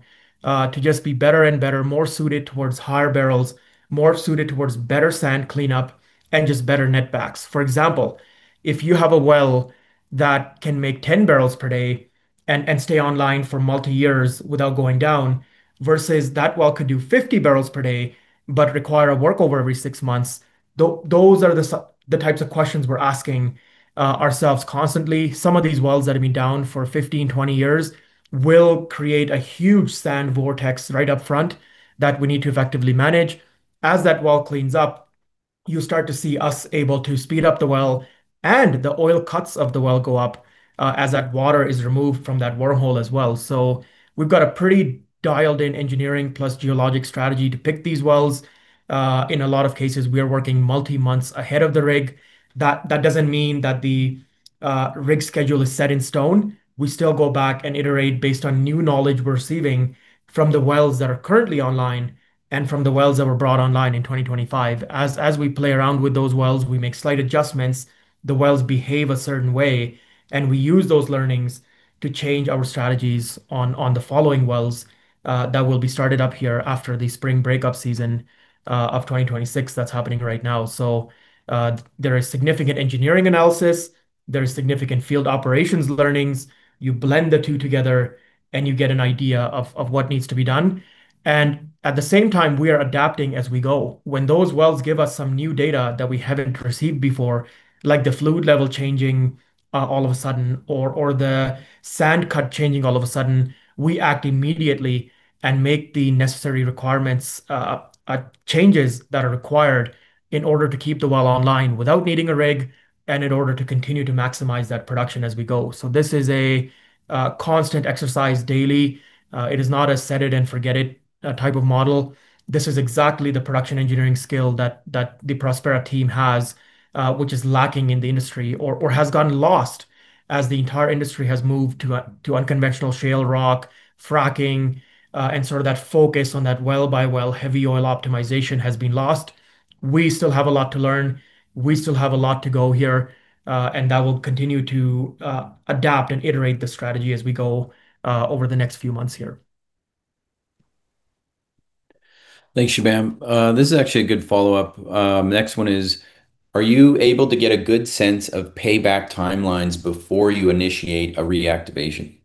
to just be better and better, more suited towards higher barrels, more suited towards better sand cleanup, and just better netback. For example, if you have a well that can make 10 bbl per day and stay online for multi years without going down, versus that well could do 50 bbl per day, but require a workover every six months. Those are the types of questions we're asking ourselves constantly. Some of these wells that have been down for 15, 20 years will create a huge sand vortex right up front that we need to effectively manage. As that well cleans up, you start to see us able to speed up the well, and the oil cuts of the well go up as that water is removed from that borehole as well. We've got a pretty dialed in engineering plus geologic strategy to pick these wells. In a lot of cases, we are working multi months ahead of the rig. That doesn't mean that the rig schedule is set in stone. We still go back and iterate based on new knowledge we're receiving from the wells that are currently online and from the wells that were brought online in 2025. As we play around with those wells, we make slight adjustments. The wells behave a certain way, and we use those learnings to change our strategies on the following wells that will be started up here after the spring break-up season of 2026. That's happening right now. There is significant engineering analysis. There is significant field operations learnings. You blend the two together and you get an idea of what needs to be done. At the same time, we are adapting as we go. When those wells give us some new data that we haven't received before, like the fluid level changing all of a sudden or the sand cut changing all of a sudden, we act immediately and make the necessary requirements, changes that are required in order to keep the well online without needing a rig and in order to continue to maximize that production as we go. This is a constant exercise daily. It is not a set it and forget it type of model. This is exactly the production engineering skill that the Prospera team has which is lacking in the industry or has gotten lost as the entire industry has moved to unconventional shale rock fracking, and sort of that focus on that well-by-well heavy oil optimization has been lost. We still have a lot to learn. We still have a lot to go here. That will continue to adapt and iterate the strategy as we go over the next few months here. Thanks, Shubham. This is actually a good follow-up. Next one is, are you able to get a good sense of payback timelines before you initiate a reactivation?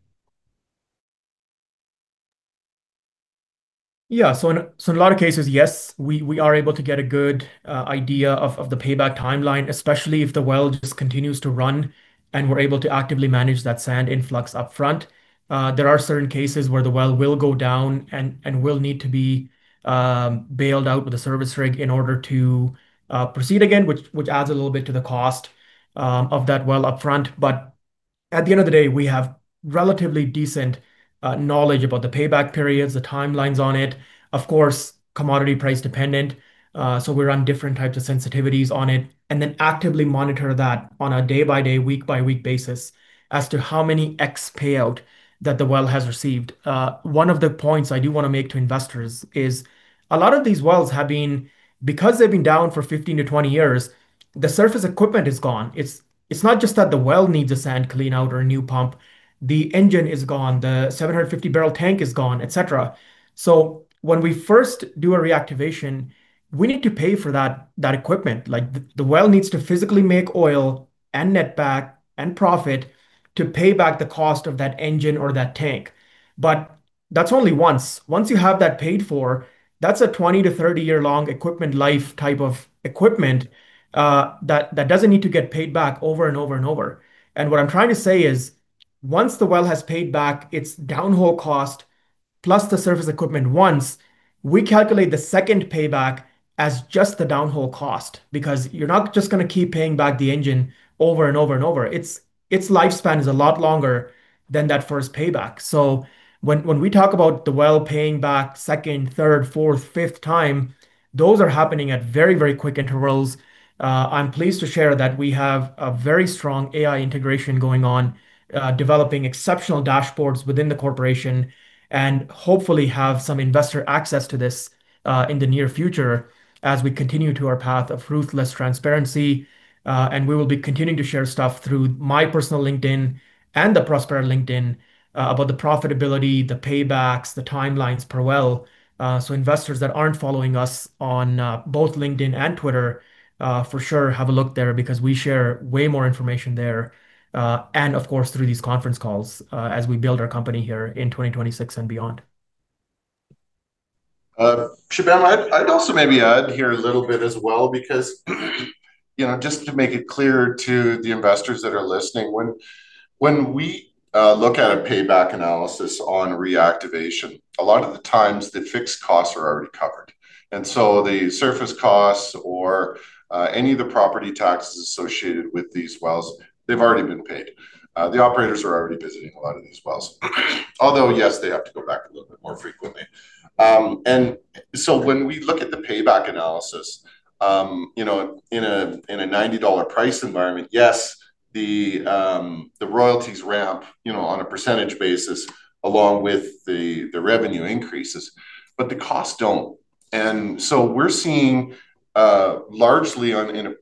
Yeah. In a lot of cases, yes, we are able to get a good idea of the payback timeline, especially if the well just continues to run and we're able to actively manage that sand influx up front. There are certain cases where the well will go down and will need to be bailed out with a service rig in order to proceed again, which adds a little bit to the cost of that well upfront. At the end of the day, we have relatively decent knowledge about the payback periods, the timelines on it. Of course, commodity price dependent, so we run different types of sensitivities on it, and then actively monitor that on a day by day, week by week basis as to how many times payout that the well has received. One of the points I do want to make to investors is a lot of these wells have been, because they've been down for 15-20 years, the surface equipment is gone. It's not just that the well needs a sand clean out or a new pump. The engine is gone, the 750-barrel tank is gone, et cetera. When we first do a reactivation, we need to pay for that equipment. The well needs to physically make oil and netback and profit to pay back the cost of that engine or that tank. That's only once. Once you have that paid for, that's a 20-30-year long equipment life type of equipment, that doesn't need to get paid back over and over and over. What I'm trying to say is, once the well has paid back its downhole cost plus the surface equipment once, we calculate the second payback as just the downhole cost. Because you're not just going to keep paying back the engine over and over and over. Its lifespan is a lot longer than that first payback. When we talk about the well paying back second, third, fourth, fifth time, those are happening at very, very quick intervals. I'm pleased to share that we have a very strong AI integration going on, developing exceptional dashboards within the corporation, and hopefully have some investor access to this in the near future as we continue to our path of ruthless transparency. We will be continuing to share stuff through my personal LinkedIn and the Prospera LinkedIn about the profitability, the paybacks, the timelines per well. Investors that aren't following us on both LinkedIn and Twitter for sure have a look there, because we share way more information there, and of course, through these conference calls as we build our company here in 2026 and beyond. Shubham, I'd also maybe add here a little bit as well, because just to make it clear to the investors that are listening, when we look at a payback analysis on reactivation, a lot of the times the fixed costs are already covered. The surface costs or any of the property taxes associated with these wells, they've already been paid. The operators are already visiting a lot of these wells. Although, yes, they have to go back a little bit more frequently. When we look at the payback analysis, in a $90 price environment, yes, the royalties ramp, on a percentage basis, along with the revenue increases, but the costs don't. We're seeing, largely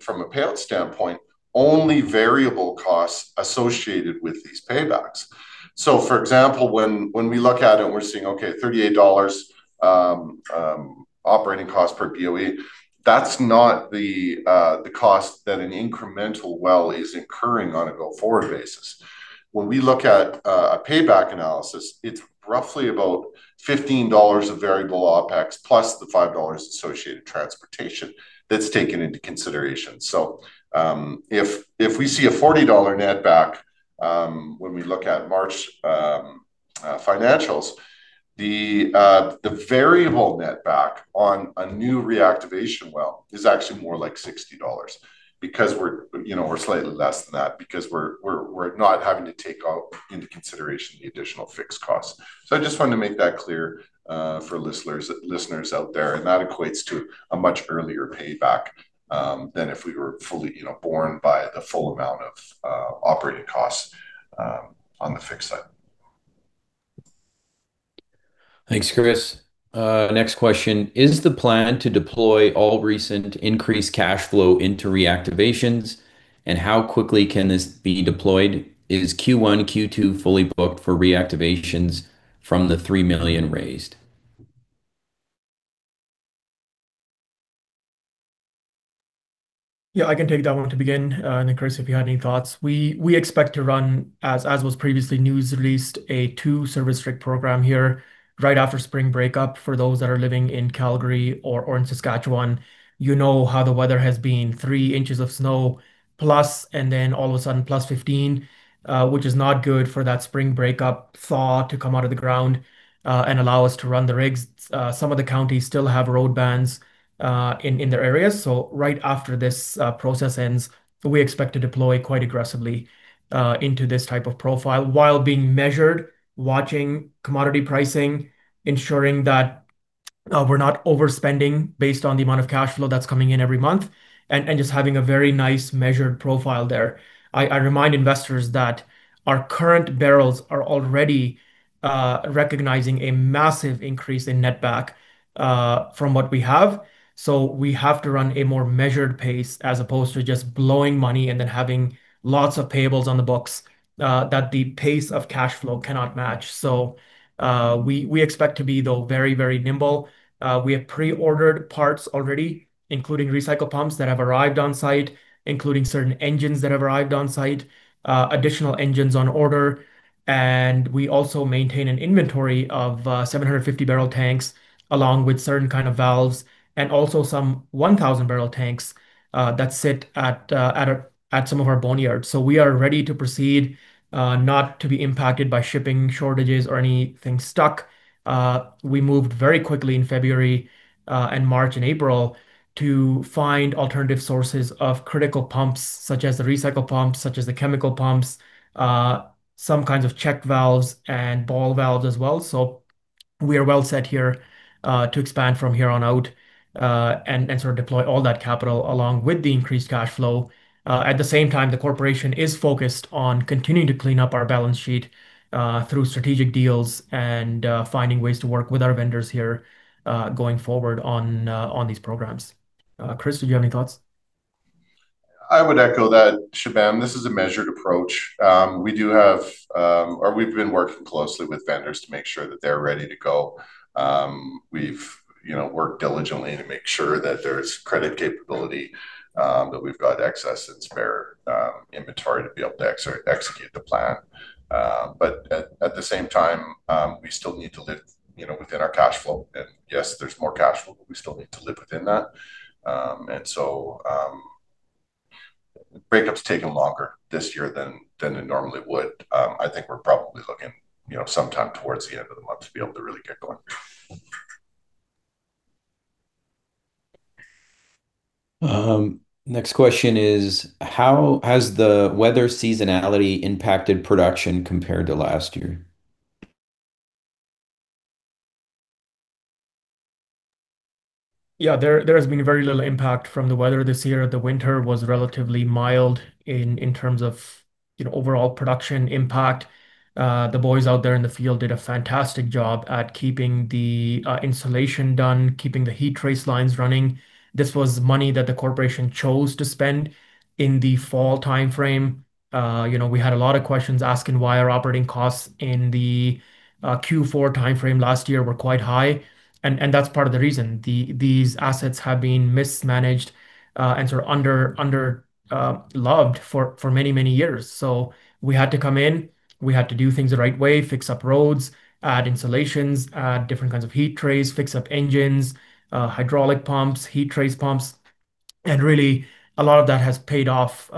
from a payout standpoint, only variable costs associated with these paybacks. For example, when we look at it, we're seeing, okay, $38 operating cost per BOE. That's not the cost that an incremental well is incurring on a go-forward basis. When we look at a payback analysis, it's roughly about $15 of variable OpEx plus the $5 associated transportation that's taken into consideration. If we see a $40 netback when we look at March financials, the variable netback on a new reactivation well is actually more like $60. Slightly less than that because we're not having to take into consideration the additional fixed costs. I just wanted to make that clear for listeners out there, and that equates to a much earlier payback than if we were fully borne by the full amount of operating costs on the fixed side. Thanks, Chris. Next question. Is the plan to deploy all recent increased cash flow into reactivations, and how quickly can this be deployed? Is Q1, Q2 fully booked for reactivations from the $3 million raised? Yeah, I can take that one to begin, and then Chris, if you had any thoughts. We expect to run, as was previously news released, a two-service rig program here right after spring break-up. For those that are living in Calgary or in Saskatchewan, you know how the weather has been. Three inches of snow plus, and then all of a sudden plus 15, which is not good for that spring break-up thaw to come out of the ground, and allow us to run the rigs. Some of the counties still have road bans in their areas. Right after this process ends, we expect to deploy quite aggressively, into this type of profile while being measured, watching commodity pricing, ensuring that we're not overspending based on the amount of cash flow that's coming in every month, and just having a very nice measured profile there. I remind investors that our current barrels are already recognizing a massive increase in netback, from what we have. We have to run a more measured pace as opposed to just blowing money and then having lots of payables on the books that the pace of cash flow cannot match. We expect to be, though very, very nimble. We have pre-ordered parts already, including recycle pumps that have arrived on site, including certain engines that have arrived on site, additional engines on order. We also maintain an inventory of 750-barrel tanks, along with certain kind of valves and also some 1,000-barrel tanks that sit at some of our boneyards. We are ready to proceed, not to be impacted by shipping shortages or anything stuck. We moved very quickly in February, and March, and April to find alternative sources of critical pumps, such as the recycle pumps, such as the chemical pumps, some kinds of check valves and ball valves as well. We are well set here, to expand from here on out, and sort of deploy all that capital along with the increased cash flow. At the same time, the corporation is focused on continuing to clean up our balance sheet, through strategic deals and finding ways to work with our vendors here, going forward on these programs. Chris, did you have any thoughts? I would echo that, Shubham. This is a measured approach. We've been working closely with vendors to make sure that they're ready to go. We've worked diligently to make sure that there's credit capability, that we've got excess and spare inventory to be able to execute the plan. At the same time, we still need to live within our cash flow. Yes, there's more cash flow, but we still need to live within that. Break-up's taking longer this year than it normally would. I think we're probably looking sometime towards the end of the month to be able to really get going. Next question is: How has the weather seasonality impacted production compared to last year? Yeah, there has been very little impact from the weather this year. The winter was relatively mild in terms of overall production impact. The boys out there in the field did a fantastic job at keeping the insulation done, keeping the heat trace lines running. This was money that the corporation chose to spend in the fall timeframe. We had a lot of questions asking why our operating costs in the Q4 timeframe last year were quite high, and that's part of the reason. These assets have been mismanaged, and sort of under loved for many, many years. We had to come in, we had to do things the right way, fix up roads, add insulations, add different kinds of heat trace, fix up engines, hydraulic pumps, heat trace pumps. Really, a lot of that has paid off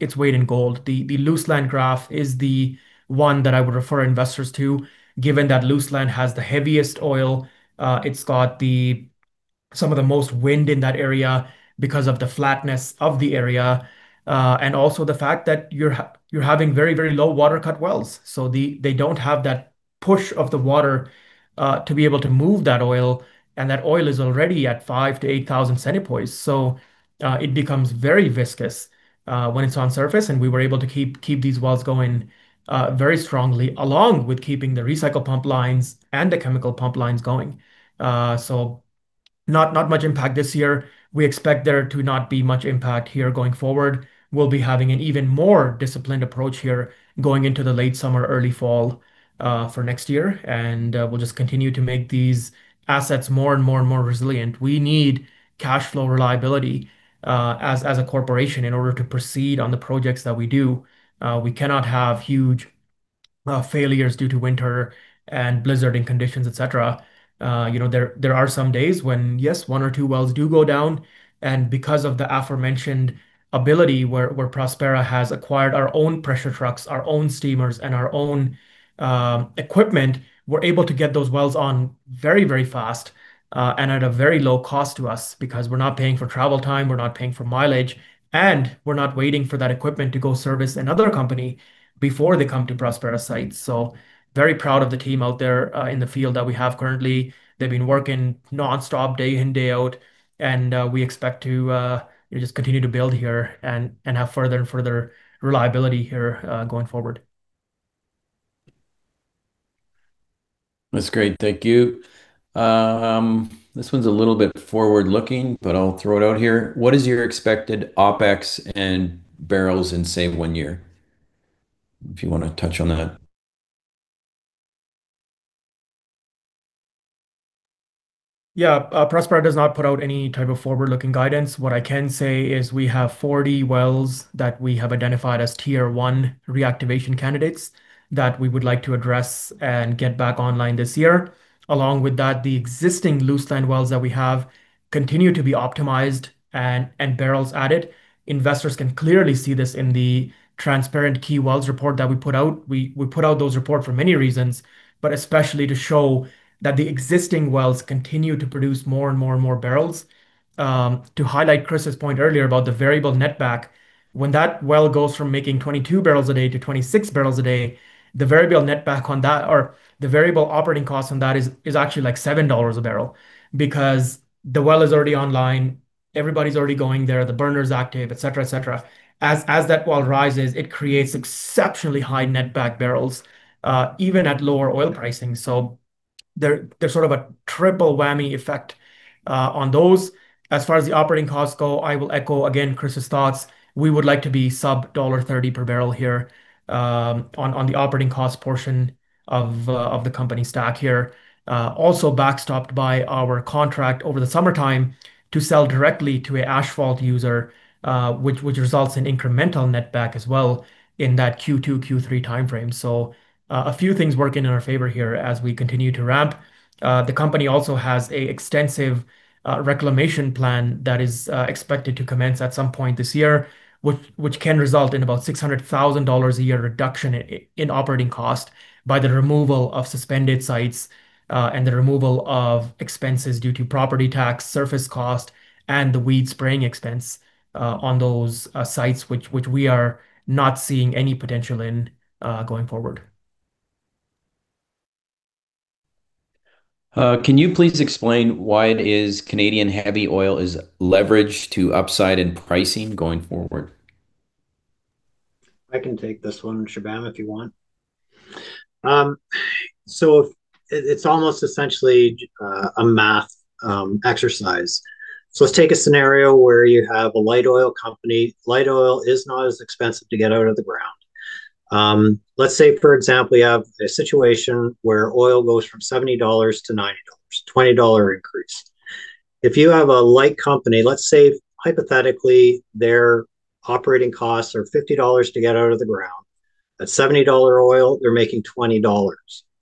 its weight in gold. The Luseland graph is the one that I would refer investors to, given that Luseland has the heaviest oil. It's got some of the most wind in that area because of the flatness of the area, and also the fact that you're having very low water cut wells. They don't have that push of the water, to be able to move that oil. That oil is already at 5,000-8,000 centipoise. It becomes very viscous when it's on surface. We were able to keep these wells going very strongly, along with keeping the recycle pump lines and the chemical pump lines going. Not much impact this year. We expect there to not be much impact here going forward. We'll be having an even more disciplined approach here going into the late summer, early fall, for next year. We'll just continue to make these assets more and more resilient. We need cash flow reliability as a corporation in order to proceed on the projects that we do. We cannot have huge failures due to winter and blizzarding conditions, et cetera. There are some days when, yes, one or two wells do go down, and because of the aforementioned ability where Prospera has acquired our own pressure trucks, our own steamers, and our own equipment, we're able to get those wells on very fast, and at a very low cost to us because we're not paying for travel time, we're not paying for mileage, and we're not waiting for that equipment to go service another company before they come to Prospera sites. Very proud of the team out there, in the field that we have currently. They've been working non-stop day in, day out, and we expect to just continue to build here and have further and further reliability here, going forward. That's great. Thank you. This one's a little bit forward-looking, but I'll throw it out here. What is your expected OpEx and barrels in, say, one year? If you want to touch on that. Yeah. Prospera does not put out any type of forward-looking guidance. What I can say is we have 40 wells that we have identified as Tier One reactivation candidates that we would like to address and get back online this year. Along with that, the existing Luseland wells that we have continue to be optimized and barrels added. Investors can clearly see this in the transparent Key Wells Report that we put out. We put out that report for many reasons, but especially to show that the existing wells continue to produce more and more barrels. To highlight Chris's point earlier about the variable netback, when that well goes from making 22 bbl a day to 26 bbl a day, the variable netback on that, or the variable operating cost on that is actually like $7 a barrel because the well is already online, everybody's already going there, the burner's active, et cetera. As that well rises, it creates exceptionally high netback barrels, even at lower oil pricing. There's sort of a triple whammy effect on those. As far as the operating costs go, I will echo again, Chris's thoughts. We would like to be sub-$30 per barrel here on the operating cost portion of the company stack here. Also backstopped by our contract over the summertime to sell directly to a asphalt user, which results in incremental netback as well in that Q2, Q3 timeframe. A few things working in our favor here as we continue to ramp. The company also has an extensive reclamation plan that is expected to commence at some point this year, which can result in about $600,000 a year reduction in operating cost by the removal of suspended sites, and the removal of expenses due to property tax, surface cost, and the weed spraying expense on those sites, which we are not seeing any potential in, going forward. Can you please explain why it is Canadian heavy oil is leveraged to upside in pricing going forward? I can take this one, Shubham, if you want. It's almost essentially a math exercise. Let's take a scenario where you have a light oil company. Light oil is not as expensive to get out of the ground. Let's say, for example, you have a situation where oil goes from $70 to $90, $20 increase. If you have a light company, let's say hypothetically, their operating costs are $50 to get out of the ground. At $70 oil, they're making $20.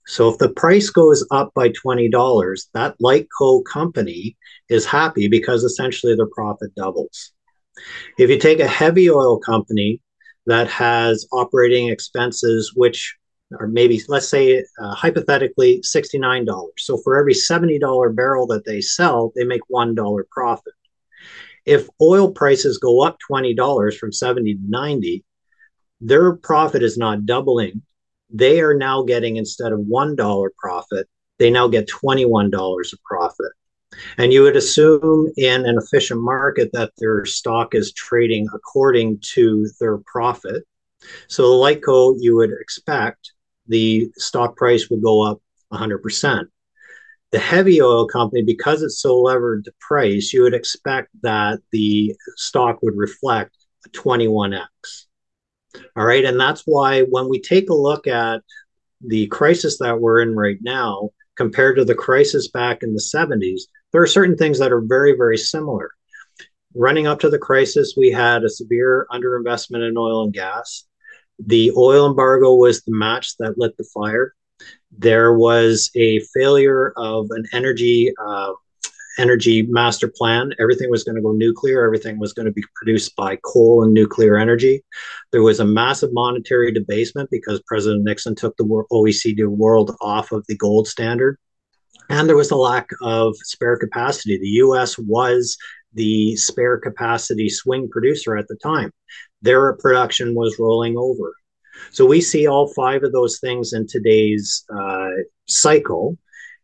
If the price goes up by $20, that light oil company is happy because essentially their profit doubles. If you take a heavy oil company that has operating expenses, which are maybe, let's say, hypothetically $69. For every $70 barrel that they sell, they make $1 profit. If oil prices go up $20 from $70 to $90, their profit is not doubling. They are now getting, instead of $1 profit, they now get $21 of profit. You would assume in an efficient market that their stock is trading according to their profit. The light oil, you would expect the stock price would go up 100%. The heavy oil company, because it's so levered to price, you would expect that the stock would reflect a 21x. All right. That's why when we take a look at the crisis that we're in right now, compared to the crisis back in the 1970s, there are certain things that are very similar. Running up to the crisis, we had a severe under-investment in oil and gas. The oil embargo was the match that lit the fire. There was a failure of an energy master plan. Everything was going to go nuclear. Everything was going to be produced by coal and nuclear energy. There was a massive monetary debasement because President Nixon took the OECD world off of the gold standard, and there was a lack of spare capacity. The U.S. was the spare capacity swing producer at the time. Their production was rolling over. We see all five of those things in today's cycle,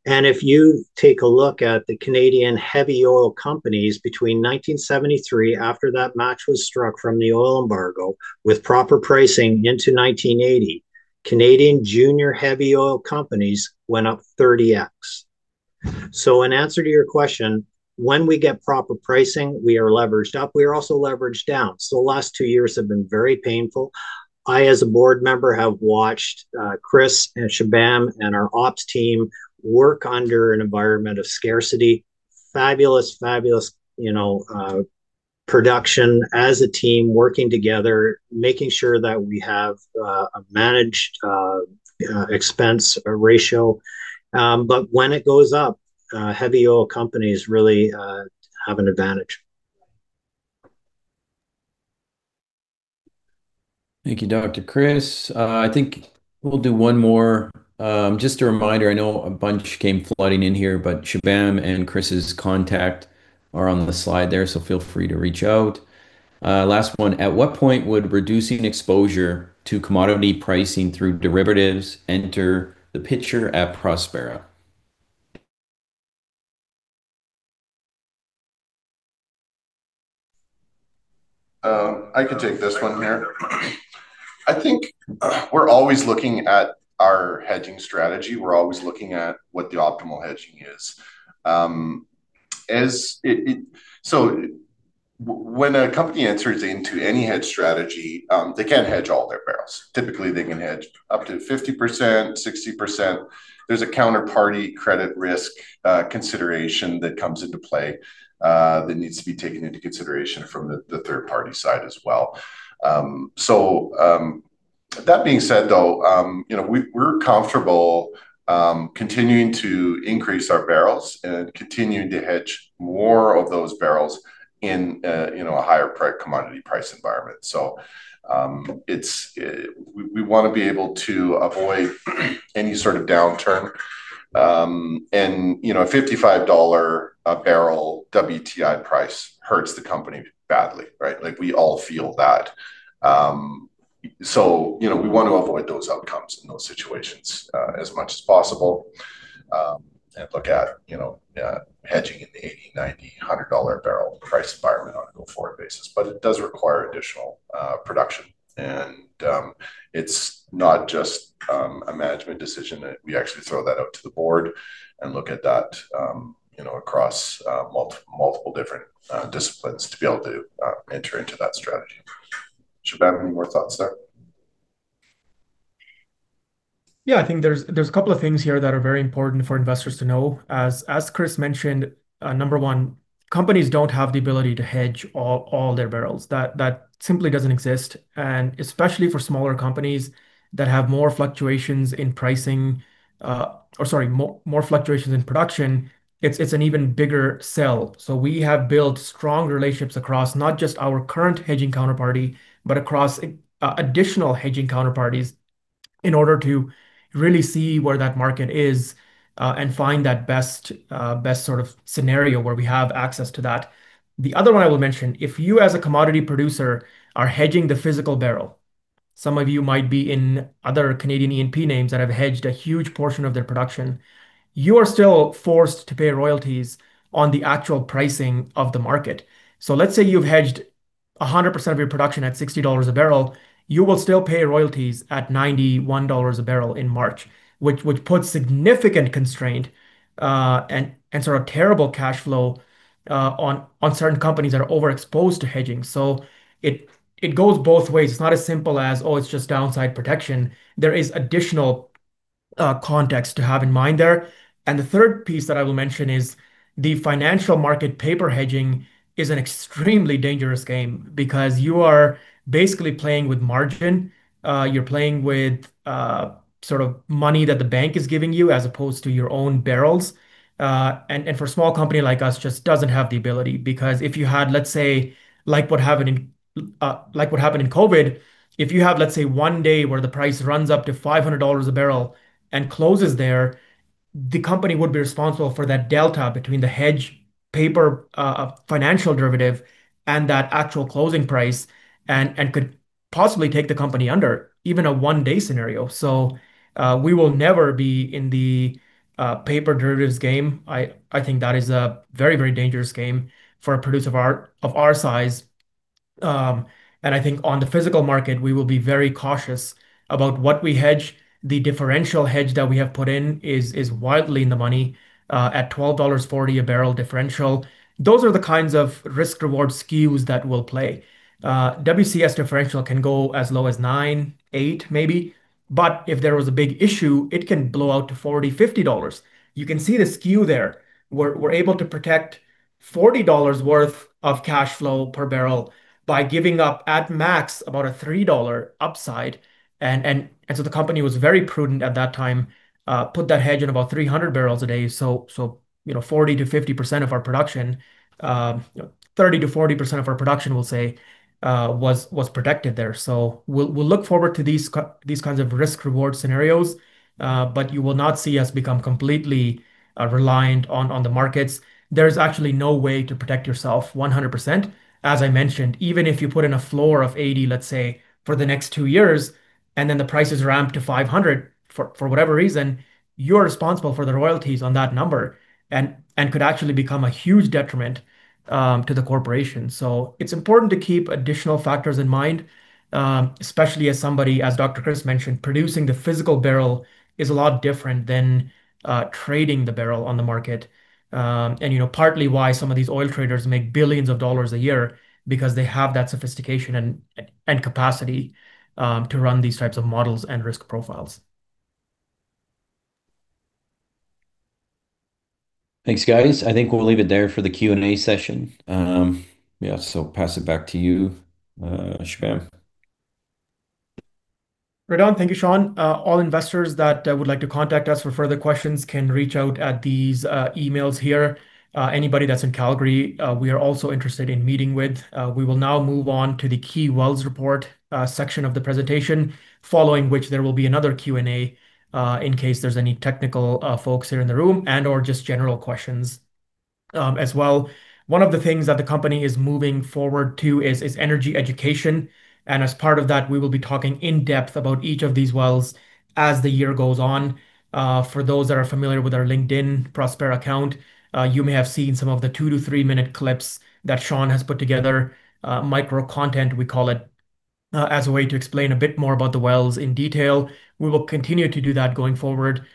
and if you take a look at the Canadian heavy oil companies between 1973, after that match was struck from the oil embargo, with proper pricing into 1980, Canadian junior heavy oil companies went up 30x. In answer to your question, when we get proper pricing, we are leveraged up. We are also leveraged down. The last two years have been very painful. I, as a board member, have watched Chris and Shubham and our ops team work under an environment of scarcity. Fabulous production as a team, working together, making sure that we have a managed expense ratio. When it goes up, heavy oil companies really have an advantage. Thank you, Dr. Chris. I think we'll do one more. Just a reminder, I know a bunch came flooding in here, but Shubham and Chris's contact are on the slide there, so feel free to reach out. Last one: At what point would reducing exposure to commodity pricing through derivatives enter the picture at Prospera? I can take this one here. I think we're always looking at our hedging strategy. We're always looking at what the optimal hedging is. When a company enters into any hedge strategy, they can't hedge all their barrels. Typically, they can hedge up to 50%, 60%. There's a counterparty credit risk consideration that comes into play, that needs to be taken into consideration from the third-party side as well. That being said, though, we're comfortable continuing to increase our barrels and continuing to hedge more of those barrels in a higher commodity price environment. We want to be able to avoid any sort of downturn. A $55 a barrel WTI price hurts the company badly, right? We all feel that. We want to avoid those outcomes and those situations as much as possible, and look at hedging in the $80, $90, $100 barrel price environment on a go-forward basis. It does require additional production, and it's not just a management decision that we actually throw that out to the board and look at that across multiple different disciplines to be able to enter into that strategy. Shubham, any more thoughts there? Yeah, I think there's a couple of things here that are very important for investors to know. As Chris mentioned, number one, companies don't have the ability to hedge all their barrels. That simply doesn't exist. Especially for smaller companies that have more fluctuations in pricing, or sorry, more fluctuations in production, it's an even bigger sell. We have built strong relationships across not just our current hedging counterparty, but across additional hedging counterparties in order to really see where that market is, and find that best sort of scenario where we have access to that. The other one I will mention, if you, as a commodity producer, are hedging the physical barrel, some of you might be in other Canadian E&P names that have hedged a huge portion of their production. You are still forced to pay royalties on the actual pricing of the market. Let's say you've hedged 100% of your production at $60 a barrel. You will still pay royalties at $91 a barrel in March, which puts significant constraint, and sort of terrible cash flow, on certain companies that are overexposed to hedging. It goes both ways. It's not as simple as, "Oh, it's just downside protection." There is additional context to have in mind there. The third piece that I will mention is the financial market paper hedging is an extremely dangerous game because you are basically playing with margin. You're playing with sort of money that the bank is giving you as opposed to your own barrels. For a small company like us, just doesn't have the ability. Because if you had, let's say like what happened in COVID, if you have, let's say, one day where the price runs up to $500 a barrel and closes there, the company would be responsible for that delta between the hedge paper, financial derivative, and that actual closing price, and could possibly take the company under, even a one-day scenario. We will never be in the paper derivatives game. I think that is a very dangerous game for a producer of our size. I think on the physical market, we will be very cautious about what we hedge. The differential hedge that we have put in is wildly in the money, at $12.40 a barrel differential. Those are the kinds of risk/reward skews that we'll play. WCS differential can go as low as $9, $8, maybe. If there was a big issue, it can blow out to $40-$50. You can see the skew there. We're able to protect $40 worth of cash flow per barrel by giving up at max about a $3 upside. The company was very prudent at that time, put that hedge at about 300 bbl a day. 40%-50% of our production, 30%-40% of our production, we'll say, was protected there. We'll look forward to these kinds of risk/reward scenarios. You will not see us become completely reliant on the markets. There's actually no way to protect yourself 100%, as I mentioned. Even if you put in a floor of 80, let's say, for the next two years, and then the prices ramp to 500, for whatever reason, you're responsible for the royalties on that number and could actually become a huge detriment to the corporation. It's important to keep additional factors in mind, especially as somebody, as Dr. Chris mentioned, producing the physical barrel is a lot different than trading the barrel on the market. Partly why some of these oil traders make billions of dollars a year because they have that sophistication and capacity to run these types of models and risk profiles. Thanks, guys. I think we'll leave it there for the Q&A session. Yeah. Pass it back to you, Shubham. Right on. Thank you, Sean. All investors that would like to contact us for further questions can reach out at these emails here. Anybody that's in Calgary, we are also interested in meeting with. We will now move on to the Key Wells Report section of the presentation, following which there will be another Q&A, in case there's any technical folks here in the room and/or just general questions as well. One of the things that the company is moving forward to is energy education. As part of that, we will be talking in depth about each of these wells as the year goes on. For those that are familiar with our LinkedIn Prospera account, you may have seen some of the two to three minute clips that Sean has put together, microcontent we call it, as a way to explain a bit more about the wells in detail. We will continue to do that going forward.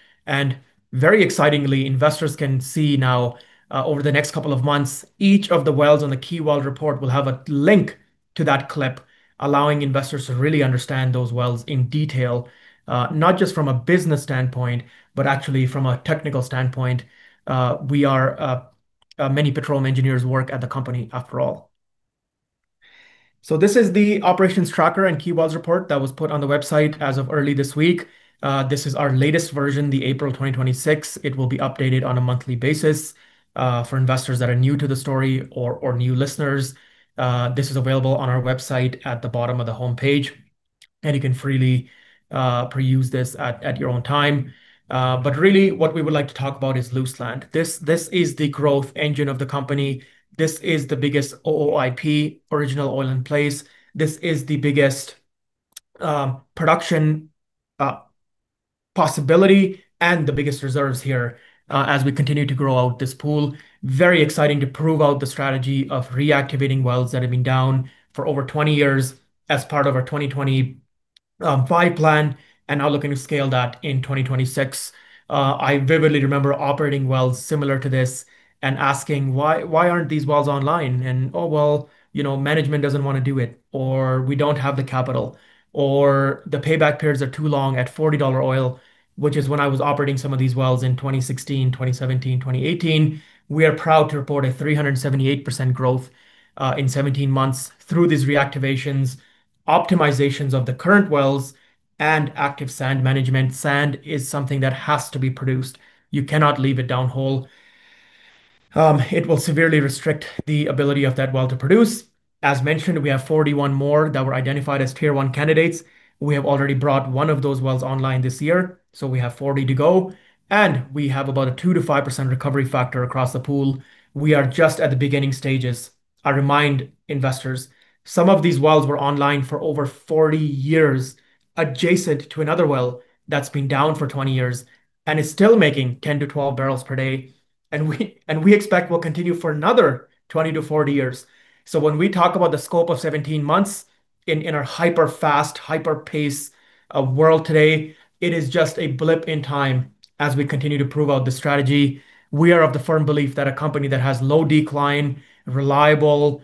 Very excitingly, investors can see now, over the next couple of months, each of the wells on the Key Wells Report will have a link to that clip, allowing investors to really understand those wells in detail, not just from a business standpoint, but actually from a technical standpoint. Many petroleum engineers work at the company, after all. This is the Operations Tracker and Key Wells Report that was put on the website as of early this week. This is our latest version, the April 2026. It will be updated on a monthly basis. For investors that are new to the story or new listeners, this is available on our website at the bottom of the homepage, and you can freely preview this at your own time. Really what we would like to talk about is Luseland. This is the growth engine of the company. This is the biggest OOIP, Original Oil in Place. This is the biggest production possibility and the biggest reserves here as we continue to grow out this pool. Very exciting to prove out the strategy of reactivating wells that have been down for over 20 years as part of our 2025 plan, and now looking to scale that in 2026. I vividly remember operating wells similar to this and asking, "Why aren't these wells online?" "Oh, well, management doesn't want to do it," or, "We don't have the capital," or, "The payback periods are too long at $40 oil," which is when I was operating some of these wells in 2016, 2017, 2018. We are proud to report a 378% growth in 17 months through these reactivations, optimizations of the current wells, and active sand management. Sand is something that has to be produced. You cannot leave it downhole. It will severely restrict the ability of that well to produce. As mentioned, we have 41 more that were identified as Tier One candidates. We have already brought one of those wells online this year, so we have 40 to go, and we have about a 2%-5% recovery factor across the pool. We are just at the beginning stages. I remind investors, some of these wells were online for over 40 years adjacent to another well that's been down for 20 years and is still making 10-12 bbl per day, and we expect will continue for another 20-40 years. When we talk about the scope of 17 months in our hyper fast, hyper pace world today, it is just a blip in time as we continue to prove out the strategy. We are of the firm belief that a company that has low decline, reliable,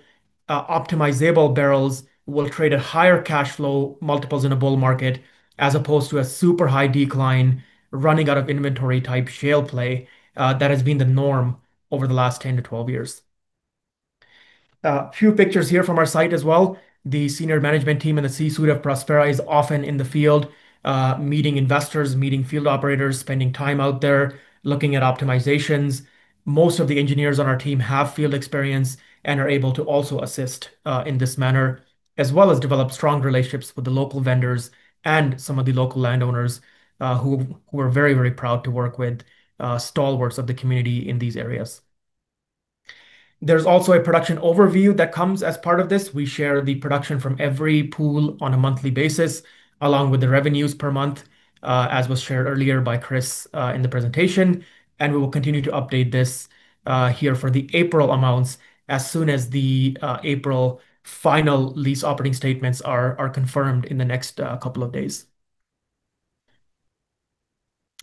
optimizable barrels will trade at higher cash flow multiples in a bull market as opposed to a super high decline, running out of inventory type shale play that has been the norm over the last 10-12 years. A few pictures here from our site as well. The senior management team and the C-suite of Prospera is often in the field, meeting investors, meeting field operators, spending time out there looking at optimizations. Most of the engineers on our team have field experience and are able to also assist, in this manner, as well as develop strong relationships with the local vendors and some of the local landowners, who we're very, very proud to work with, stalwarts of the community in these areas. There's also a production overview that comes as part of this. We share the production from every pool on a monthly basis, along with the revenues per month, as was shared earlier by Chris, in the presentation. We will continue to update this here for the April amounts as soon as the April final lease operating statements are confirmed in the next couple of days.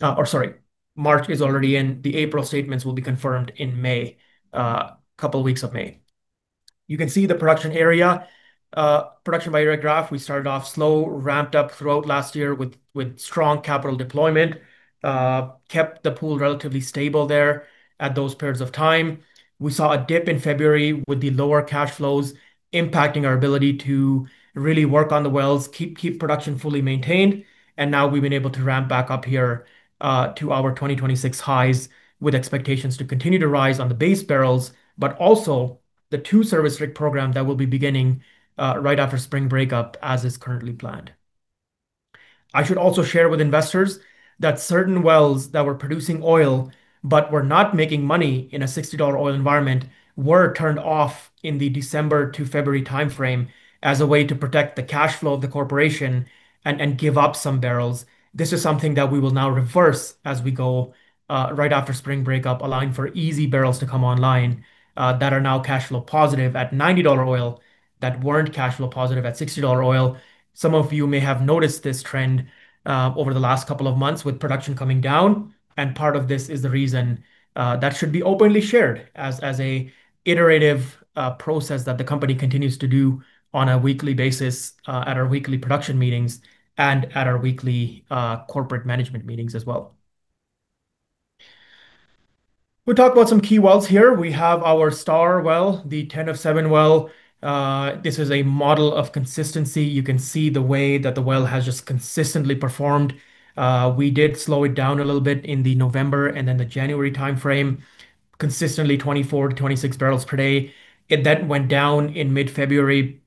Oh sorry, March is already in. The April statements will be confirmed in May, couple weeks of May. You can see the production area. Production by area graph, we started off slow, ramped up throughout last year with strong capital deployment. Kept the pool relatively stable there at those periods of time. We saw a dip in February with the lower cash flows impacting our ability to really work on the wells, keep production fully maintained, and now we've been able to ramp back up here, to our 2026 highs with expectations to continue to rise on the base barrels, but also the two service rig program that will be beginning right after spring break-up, as is currently planned. I should also share with investors that certain wells that were producing oil but were not making money in a $60 oil environment were turned off in the December to February timeframe as a way to protect the cash flow of the corporation and give up some barrels. This is something that we will now reverse as we go right after spring break-up, allowing for easy barrels to come online that are now cash flow positive at $90 oil, that weren't cash flow positive at $60 oil. Some of you may have noticed this trend over the last couple of months with production coming down, and part of this is the reason that should be openly shared as an iterative process that the company continues to do on a weekly basis, at our weekly production meetings and at our weekly corporate management meetings as well. We'll talk about some key wells here. We have our star well, the 10-07 well. This is a model of consistency. You can see the way that the well has just consistently performed. We did slow it down a little bit in the November and then the January timeframe. Consistently 24-26 bbl per day. It then went down in mid-February,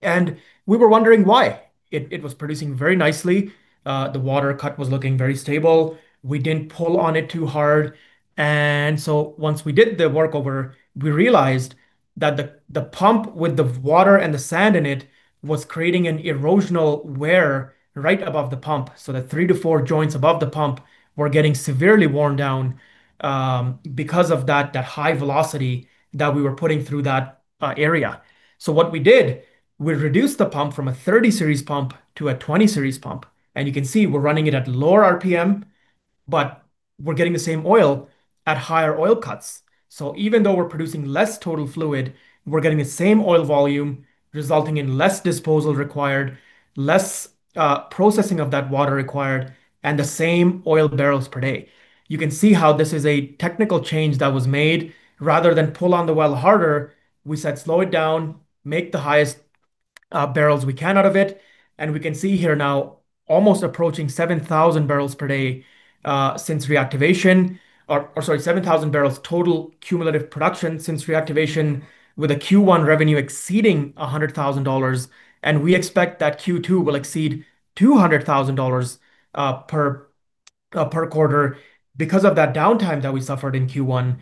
and we were wondering why. It was producing very nicely. The water cut was looking very stable. We didn't pull on it too hard. Once we did the workover, we realized that the pump with the water and the sand in it was creating an erosional wear right above the pump. The three-four joints above the pump were getting severely worn down because of that high velocity that we were putting through that area. What we did, we reduced the pump from a 30 series pump to a 20 series pump. You can see we're running it at lower RPM, but we're getting the same oil at higher oil cuts. Even though we're producing less total fluid, we're getting the same oil volume, resulting in less disposal required, less processing of that water required, and the same oil barrels per day. You can see how this is a technical change that was made. Rather than pull on the well harder, we said slow it down, make the highest barrels we can out of it. We can see here now, almost approaching 7,000 bbl per day since reactivation. Or sorry, 7,000 bbl total cumulative production since reactivation with a Q1 revenue exceeding $100,000, and we expect that Q2 will exceed $200,000 per quarter because of that downtime that we suffered in Q1.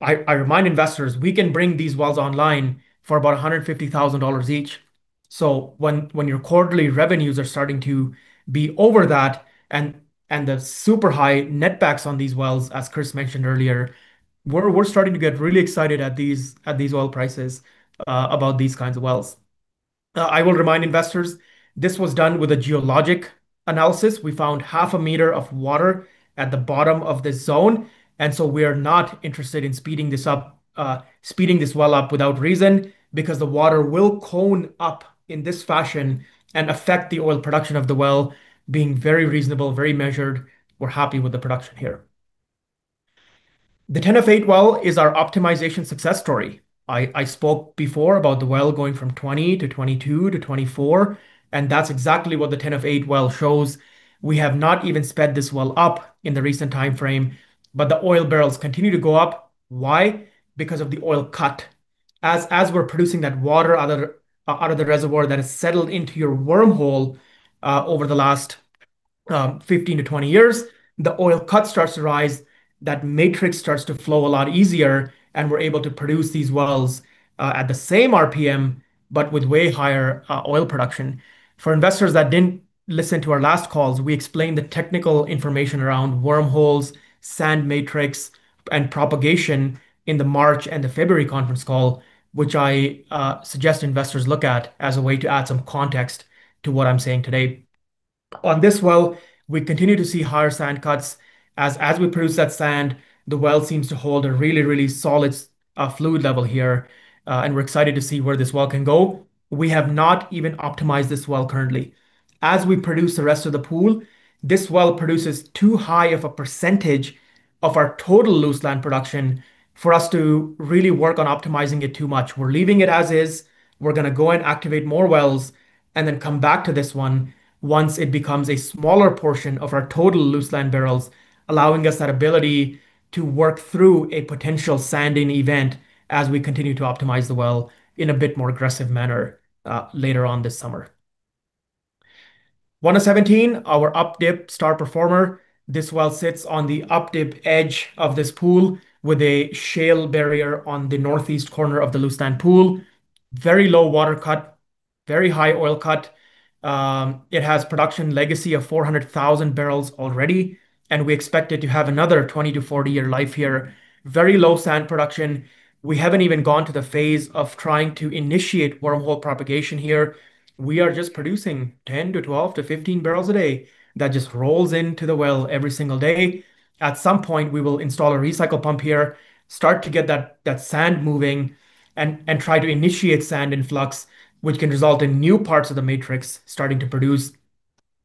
I remind investors, we can bring these wells online for about $150,000 each. When your quarterly revenues are starting to be over that and the super high netbacks on these wells, as Chris mentioned earlier, we're starting to get really excited at these oil prices, about these kinds of wells. I will remind investors, this was done with a geologic analysis. We found half a meter of water at the bottom of this zone, and so we are not interested in speeding this well up without reason, because the water will cone up in this fashion and affect the oil production of the well. Being very reasonable, very measured, we're happy with the production here. The 10-08 well is our optimization success story. I spoke before about the well going from 20 to 22 to 24, and that's exactly what the 10-08 well shows. We have not even sped this well up in the recent timeframe, but the oil barrels continue to go up. Why? Because of the oil cut. As we're producing that water out of the reservoir that has settled into your wormhole over the last 15-20 years, the oil cut starts to rise, that matrix starts to flow a lot easier, and we're able to produce these wells at the same RPM but with way higher oil production. For investors that didn't listen to our last calls, we explained the technical information around wormholes, sand matrix, and propagation in the March and the February conference call, which I suggest investors look at as a way to add some context to what I'm saying today. On this well, we continue to see higher sand cuts. As we produce that sand, the well seems to hold a really, really solid fluid level here. We're excited to see where this well can go. We have not even optimized this well currently. As we produce the rest of the pool, this well produces too high of a percentage of our total Luseland production for us to really work on optimizing it too much. We're leaving it as is. We're going to go and activate more wells and then come back to this one once it becomes a smaller portion of our total Luseland barrels, allowing us that ability to work through a potential sand-in event as we continue to optimize the well in a bit more aggressive manner later on this summer. 1017, our up-dip star performer. This well sits on the up-dip edge of this pool with a shale barrier on the northeast corner of the Luseland pool. Very low water cut. Very high oil cut. It has production legacy of 400,000 bbl already, and we expect it to have another 20-40 year life here. Very low sand production. We haven't even gone to the phase of trying to initiate wormhole propagation here. We are just producing 10 to 12 to 15 bbl a day that just rolls into the well every single day. At some point, we will install a recycle pump here, start to get that sand moving, and try to initiate sand influx, which can result in new parts of the matrix starting to produce.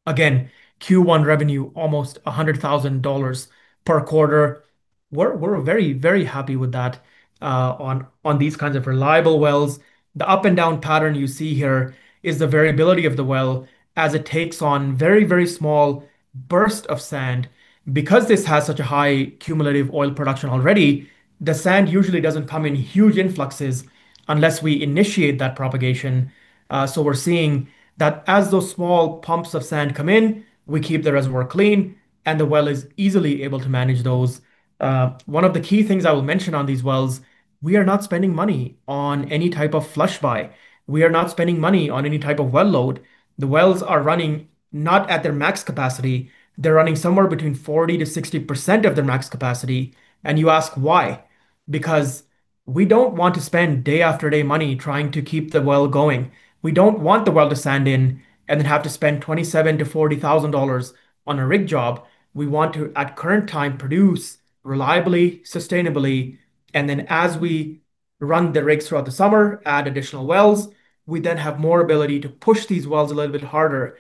Again, Q1 revenue, almost $100,000 per quarter. We're very happy with that on these kinds of reliable wells. The up and down pattern you see here is the variability of the well as it takes on very, very small burst of sand. Because this has such a high cumulative oil production already, the sand usually doesn't come in huge influxes unless we initiate that propagation. We're seeing that as those small pumps of sand come in, we keep the reservoir clean, and the well is easily able to manage those. One of the key things I will mention on these wells, we are not spending money on any type of flushby. We are not spending money on any type of load oil. The wells are running not at their max capacity. They're running somewhere between 40%-60% of their max capacity. You ask why? Because we don't want to spend day after day money trying to keep the well going. We don't want the well to sand in and then have to spend $27,000-$40,000 on a rig job. We want to, at current time, produce reliably, sustainably, and then as we run the rigs throughout the summer, add additional wells, we then have more ability to push these wells a little bit harder,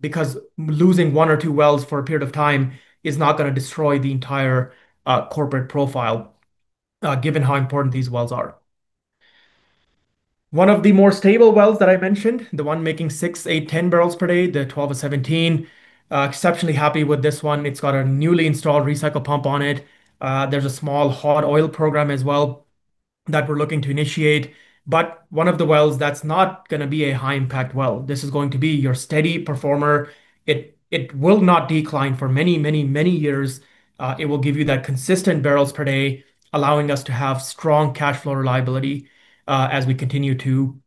because losing one or two wells for a period of time is not going to destroy the entire corporate profile, given how important these wells are. One of the more stable wells that I mentioned, the one making 6, 8, 10 bbl per day, the 12-017. I'm exceptionally happy with this one. It's got a newly installed recycle pump on it. There's a small hot oil program as well that we're looking to initiate. One of the wells that's not going to be a high impact well. This is going to be your steady performer. It will not decline for many years. It will give you that consistent barrels per day, allowing us to have strong cash flow reliability as we continue to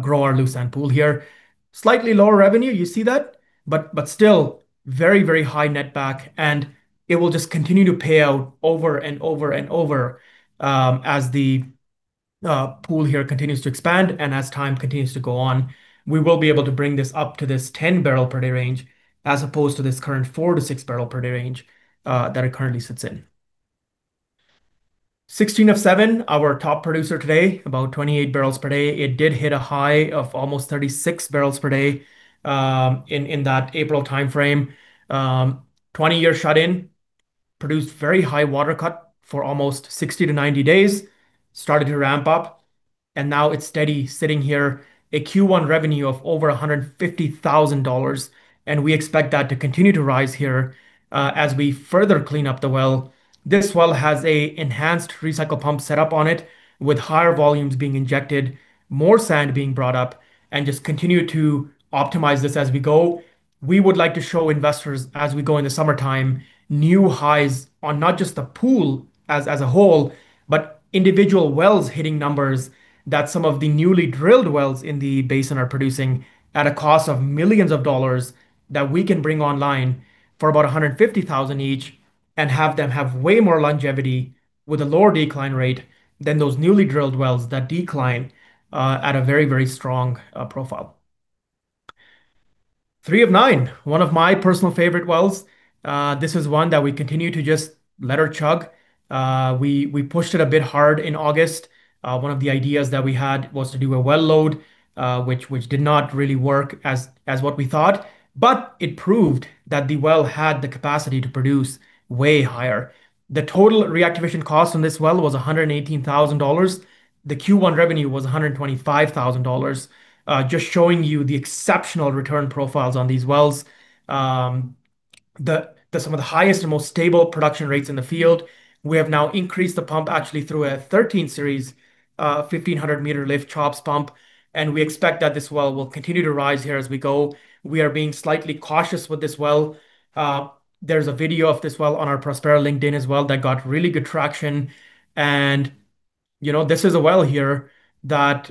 grow our Luseland pool here. Slightly lower revenue, you see that? Still very high netback, and it will just continue to pay out over and over as the pool here continues to expand and as time continues to go on. We will be able to bring this up to this 10-bbl-per-day range as opposed to this current 4-6 bbl-per-day range that it currently sits in. 16-007, our top producer today, about 28 bbl per day. It did hit a high of almost 36 bbl per day in that April timeframe. 20-year shut-in produced very high water cut for almost 60-90 days, started to ramp up, and now it's steady, sitting at a Q1 revenue of over 150,000 dollars. We expect that to continue to rise here as we further clean up the well. This well has an enhanced recycle pump set up on it with higher volumes being injected, more sand being brought up, and just continue to optimize this as we go. We would like to show investors as we go in the summertime, new highs on not just the pool as a whole, but individual wells hitting numbers that some of the newly drilled wells in the basin are producing at a cost of millions of dollars that we can bring online for about $150,000 each and have them have way more longevity with a lower decline rate than those newly drilled wells that decline at a very strong profile. 3-009, one of my personal favorite wells. This is one that we continue to just let her chug. We pushed it a bit hard in August. One of the ideas that we had was to do a well load, which did not really work as what we thought. It proved that the well had the capacity to produce way higher. The total reactivation cost on this well was $118,000. The Q1 revenue was $125,000. Just showing you the exceptional return profiles on these wells. Some of the highest and most stable production rates in the field. We have now increased the pump actually through a 13 series, 1,500-meter lift CHOPS pump, and we expect that this well will continue to rise here as we go. We are being slightly cautious with this well. There's a video of this well on our Prospera LinkedIn as well that got really good traction, and this is a well here that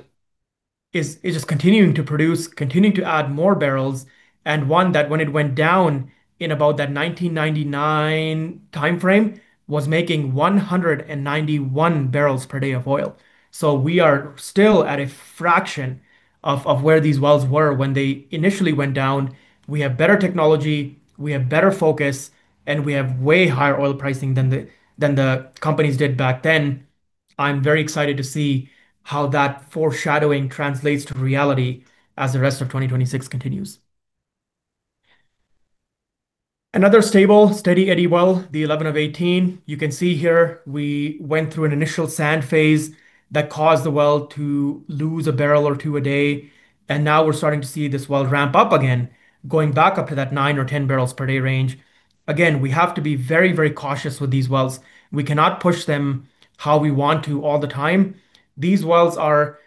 is just continuing to produce, continuing to add more barrels, and one that when it went down in about that 1999 timeframe, was making 191 bbl per day of oil. We are still at a fraction of where these wells were when they initially went down. We have better technology, we have better focus, and we have way higher oil pricing than the companies did back then. I'm very excited to see how that foreshadowing translates to reality as the rest of 2026 continues. Another stable, steady eddy well, the 11-018. You can see here we went through an initial sand phase that caused the well to lose a barrel or two a day, and now we're starting to see this well ramp up again, going back up to that 9 or 10 bbl per day range. Again, we have to be very cautious with these wells. We cannot push them how we want to all the time. These wells are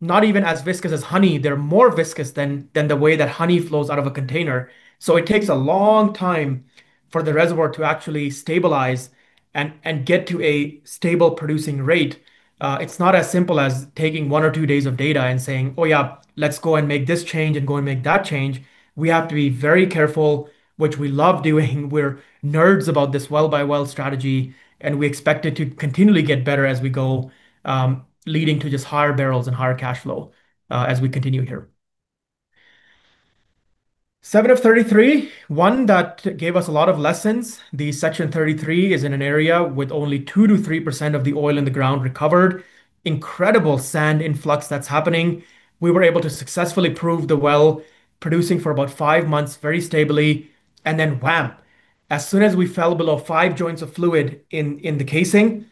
not even as viscous as honey. They're more viscous than the way that honey flows out of a container. It takes a long time for the reservoir to actually stabilize and get to a stable producing rate. It's not as simple as taking one or two days of data and saying, "Oh, yeah, let's go and make this change and go and make that change." We have to be very careful, which we love doing. We're nerds about this well-by-well strategy, and we expect it to continually get better as we go, leading to just higher barrels and higher cash flow, as we continue here. 7-033, one that gave us a lot of lessons. The Section 33 is in an area with only 2%-3% of the oil in the ground recovered. Incredible sand influx that's happening. We were able to successfully prove the well producing for about five months very stably, and then wham. As soon as we fell below five joints of fluid in the casing,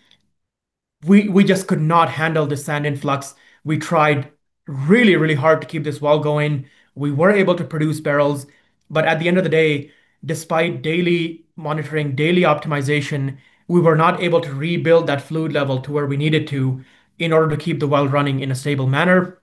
we just could not handle the sand influx. We tried really hard to keep this well going. We were able to produce barrels, but at the end of the day, despite daily monitoring, daily optimization, we were not able to rebuild that fluid level to where we needed to in order to keep the well running in a stable manner.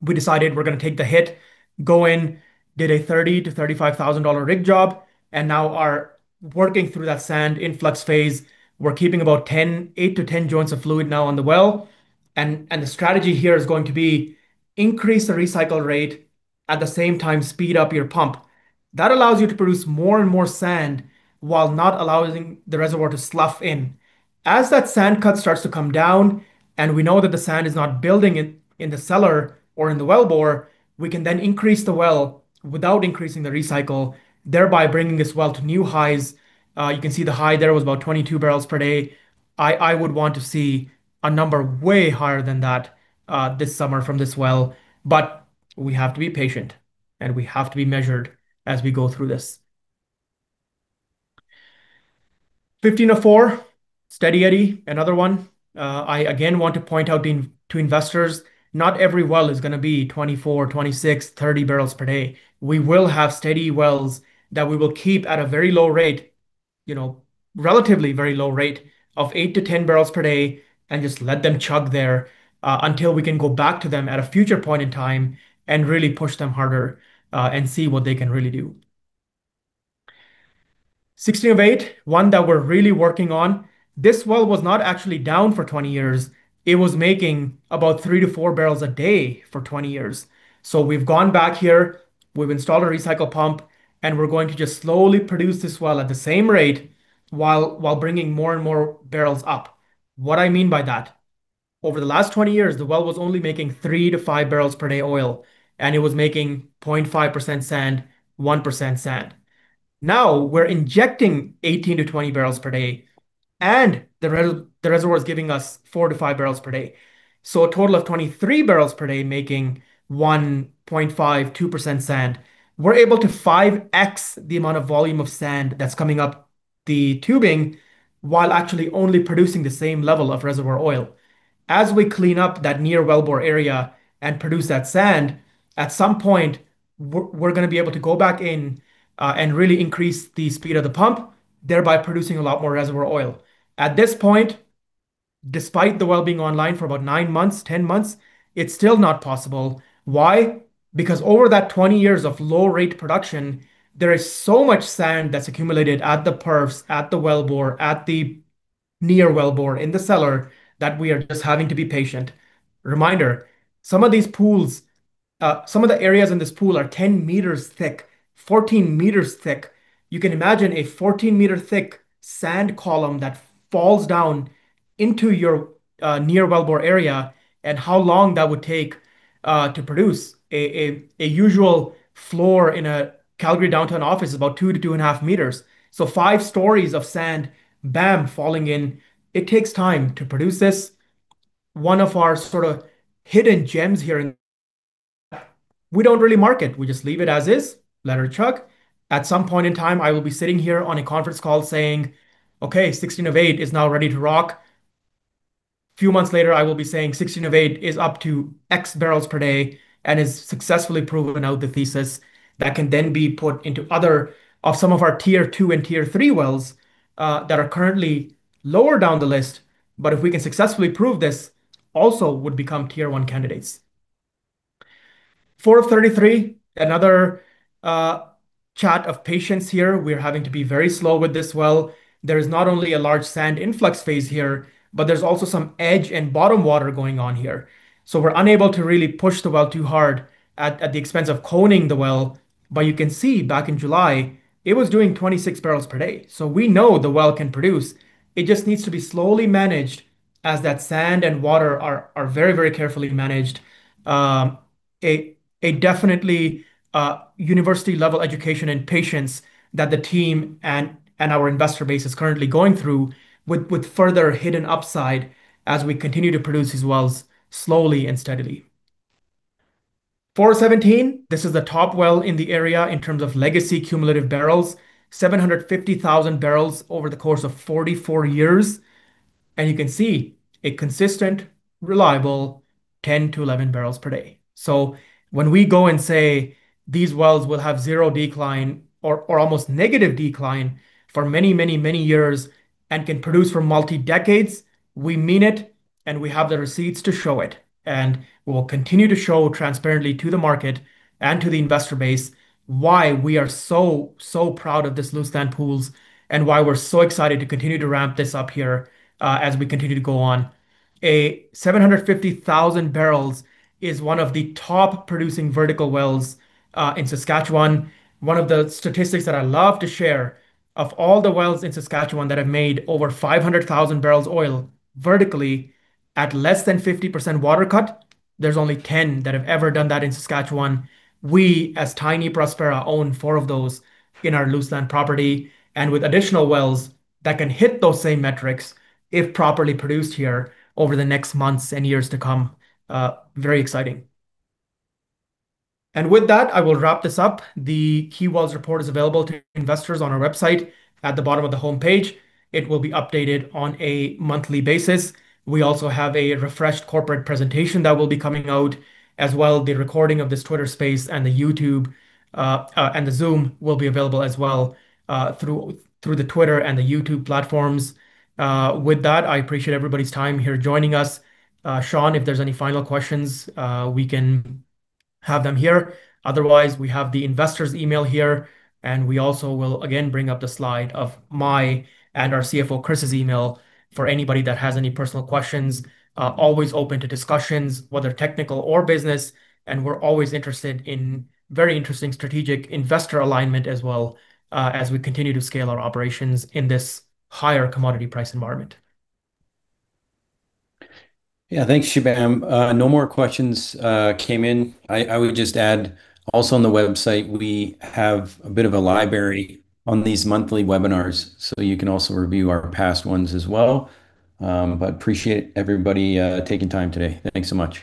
We decided we're going to take the hit, go in, did a $30,000-$35,000 rig job, and now are working through that sand influx phase. We're keeping about eight to 10 joints of fluid now on the well, and the strategy here is going to be increase the recycle rate. At the same time, speed up your pump. That allows you to produce more and more sand while not allowing the reservoir to slough in. As that sand cut starts to come down and we know that the sand is not building in the cellar or in the wellbore, we can then increase the well without increasing the recycle, thereby bringing this well to new highs. You can see the high there was about 22 bbl per day. I would want to see a number way higher than that this summer from this well, but we have to be patient, and we have to be measured as we go through this. 15-04, steady Eddie, another one. I again want to point out to investors, not every well is going to be 24, 26, 30 bbl per day. We will have steady wells that we will keep at a very low rate, relatively very low rate of 8-10 bbl per day and just let them chug there, until we can go back to them at a future point in time and really push them harder, and see what they can really do. 16-08, one that we're really working on. This well was not actually down for 20 years. It was making about 3-4 bbl a day for 20 years. So we've gone back here, we've installed a recycle pump, and we're going to just slowly produce this well at the same rate while bringing more and more barrels up. What I mean by that, over the last 20 years, the well was only making 3-5 bbl per day oil, and it was making 0.5% sand, 1% sand. We're injecting 18-20 bbl per day, and the reservoir is giving us 4-5 bbl per day. A total of 23 barrels per day making 1.5%-2% sand. We're able to 5x the amount of volume of sand that's coming up the tubing while actually only producing the same level of reservoir oil. As we clean up that near wellbore area and produce that sand, at some point, we're going to be able to go back in and really increase the speed of the pump, thereby producing a lot more reservoir oil. At this point, despite the well being online for about nine months, 10 months, it's still not possible. Why? Because over that 20 years of low-rate production, there is so much sand that's accumulated at the perfs, at the wellbore, at the near wellbore, in the cellar, that we are just having to be patient. Reminder, some of the areas in this pool are 10 meters thick, 14 meters thick. You can imagine a 14-meter thick sand column that falls down into your near wellbore area and how long that would take to produce. A usual floor in a Calgary downtown office is about 2-2.5 meters. So five stories of sand, bam, falling in. It takes time to produce this. One of our sort of hidden gems here, and we don't really mark it. We just leave it as is. Let her chug. At some point in time, I will be sitting here on a conference call saying, "Okay, 16-08 is now ready to rock." A few months later, I will be saying, "16-08 is up to X barrels per day and has successfully proven out the thesis that can then be put into some of our Tier two and Tier three wells, that are currently lower down the list. But if we can successfully prove this, also would become Tier one candidates." 4-33, another test of patience here. We're having to be very slow with this well. There is not only a large sand influx phase here, but there's also some edge and bottom water going on here. So we're unable to really push the well too hard at the expense of coning the well. But you can see back in July, it was doing 26 bbl per day. We know the well can produce. It just needs to be slowly managed as that sand and water are very carefully managed. It's definitely university-level education and patience that the team and our investor base is currently going through with further hidden upside as we continue to produce these wells slowly and steadily. 4-17, this is the top well in the area in terms of legacy cumulative barrels, 750,000 bbl over the course of 44 years. You can see a consistent, reliable 10-11 bbl per day. When we go and say these wells will have zero decline or almost negative decline for many years, and can produce for multi-decades. We mean it, and we have the receipts to show it. We will continue to show transparently to the market and to the investor base why we are so proud of this Luseland Pools, and why we're so excited to continue to ramp this up here as we continue to go on. A 750,000 bbl is one of the top producing vertical wells in Saskatchewan. One of the statistics that I love to share, of all the wells in Saskatchewan that have made over 500,000 bbl of oil vertically at less than 50% water cut, there's only 10 that have ever done that in Saskatchewan. We, as tiny Prospera, own four of those in our Luseland property, and with additional wells that can hit those same metrics if properly produced here over the next months and years to come. Very exciting. With that, I will wrap this up. The Key Wells Report is available to investors on our website at the bottom of the homepage. It will be updated on a monthly basis. We also have a refreshed corporate presentation that will be coming out as well. The recording of this Twitter Space and the YouTube, and the Zoom will be available as well through the Twitter and the YouTube platforms. With that, I appreciate everybody's time here joining us. Sean, if there's any final questions, we can have them here. Otherwise, we have the investors' email here, and we also will again bring up the slide of my and our CFO Chris Ludtke's email for anybody that has any personal questions. Always open to discussions, whether technical or business, and we're always interested in very interesting strategic investor alignment as well, as we continue to scale our operations in this higher commodity price environment. Yeah. Thanks, Shubham. No more questions came in. I would just add also on the website we have a bit of a library on these monthly webinars, so you can also review our past ones as well. Appreciate everybody taking time today. Thanks so much.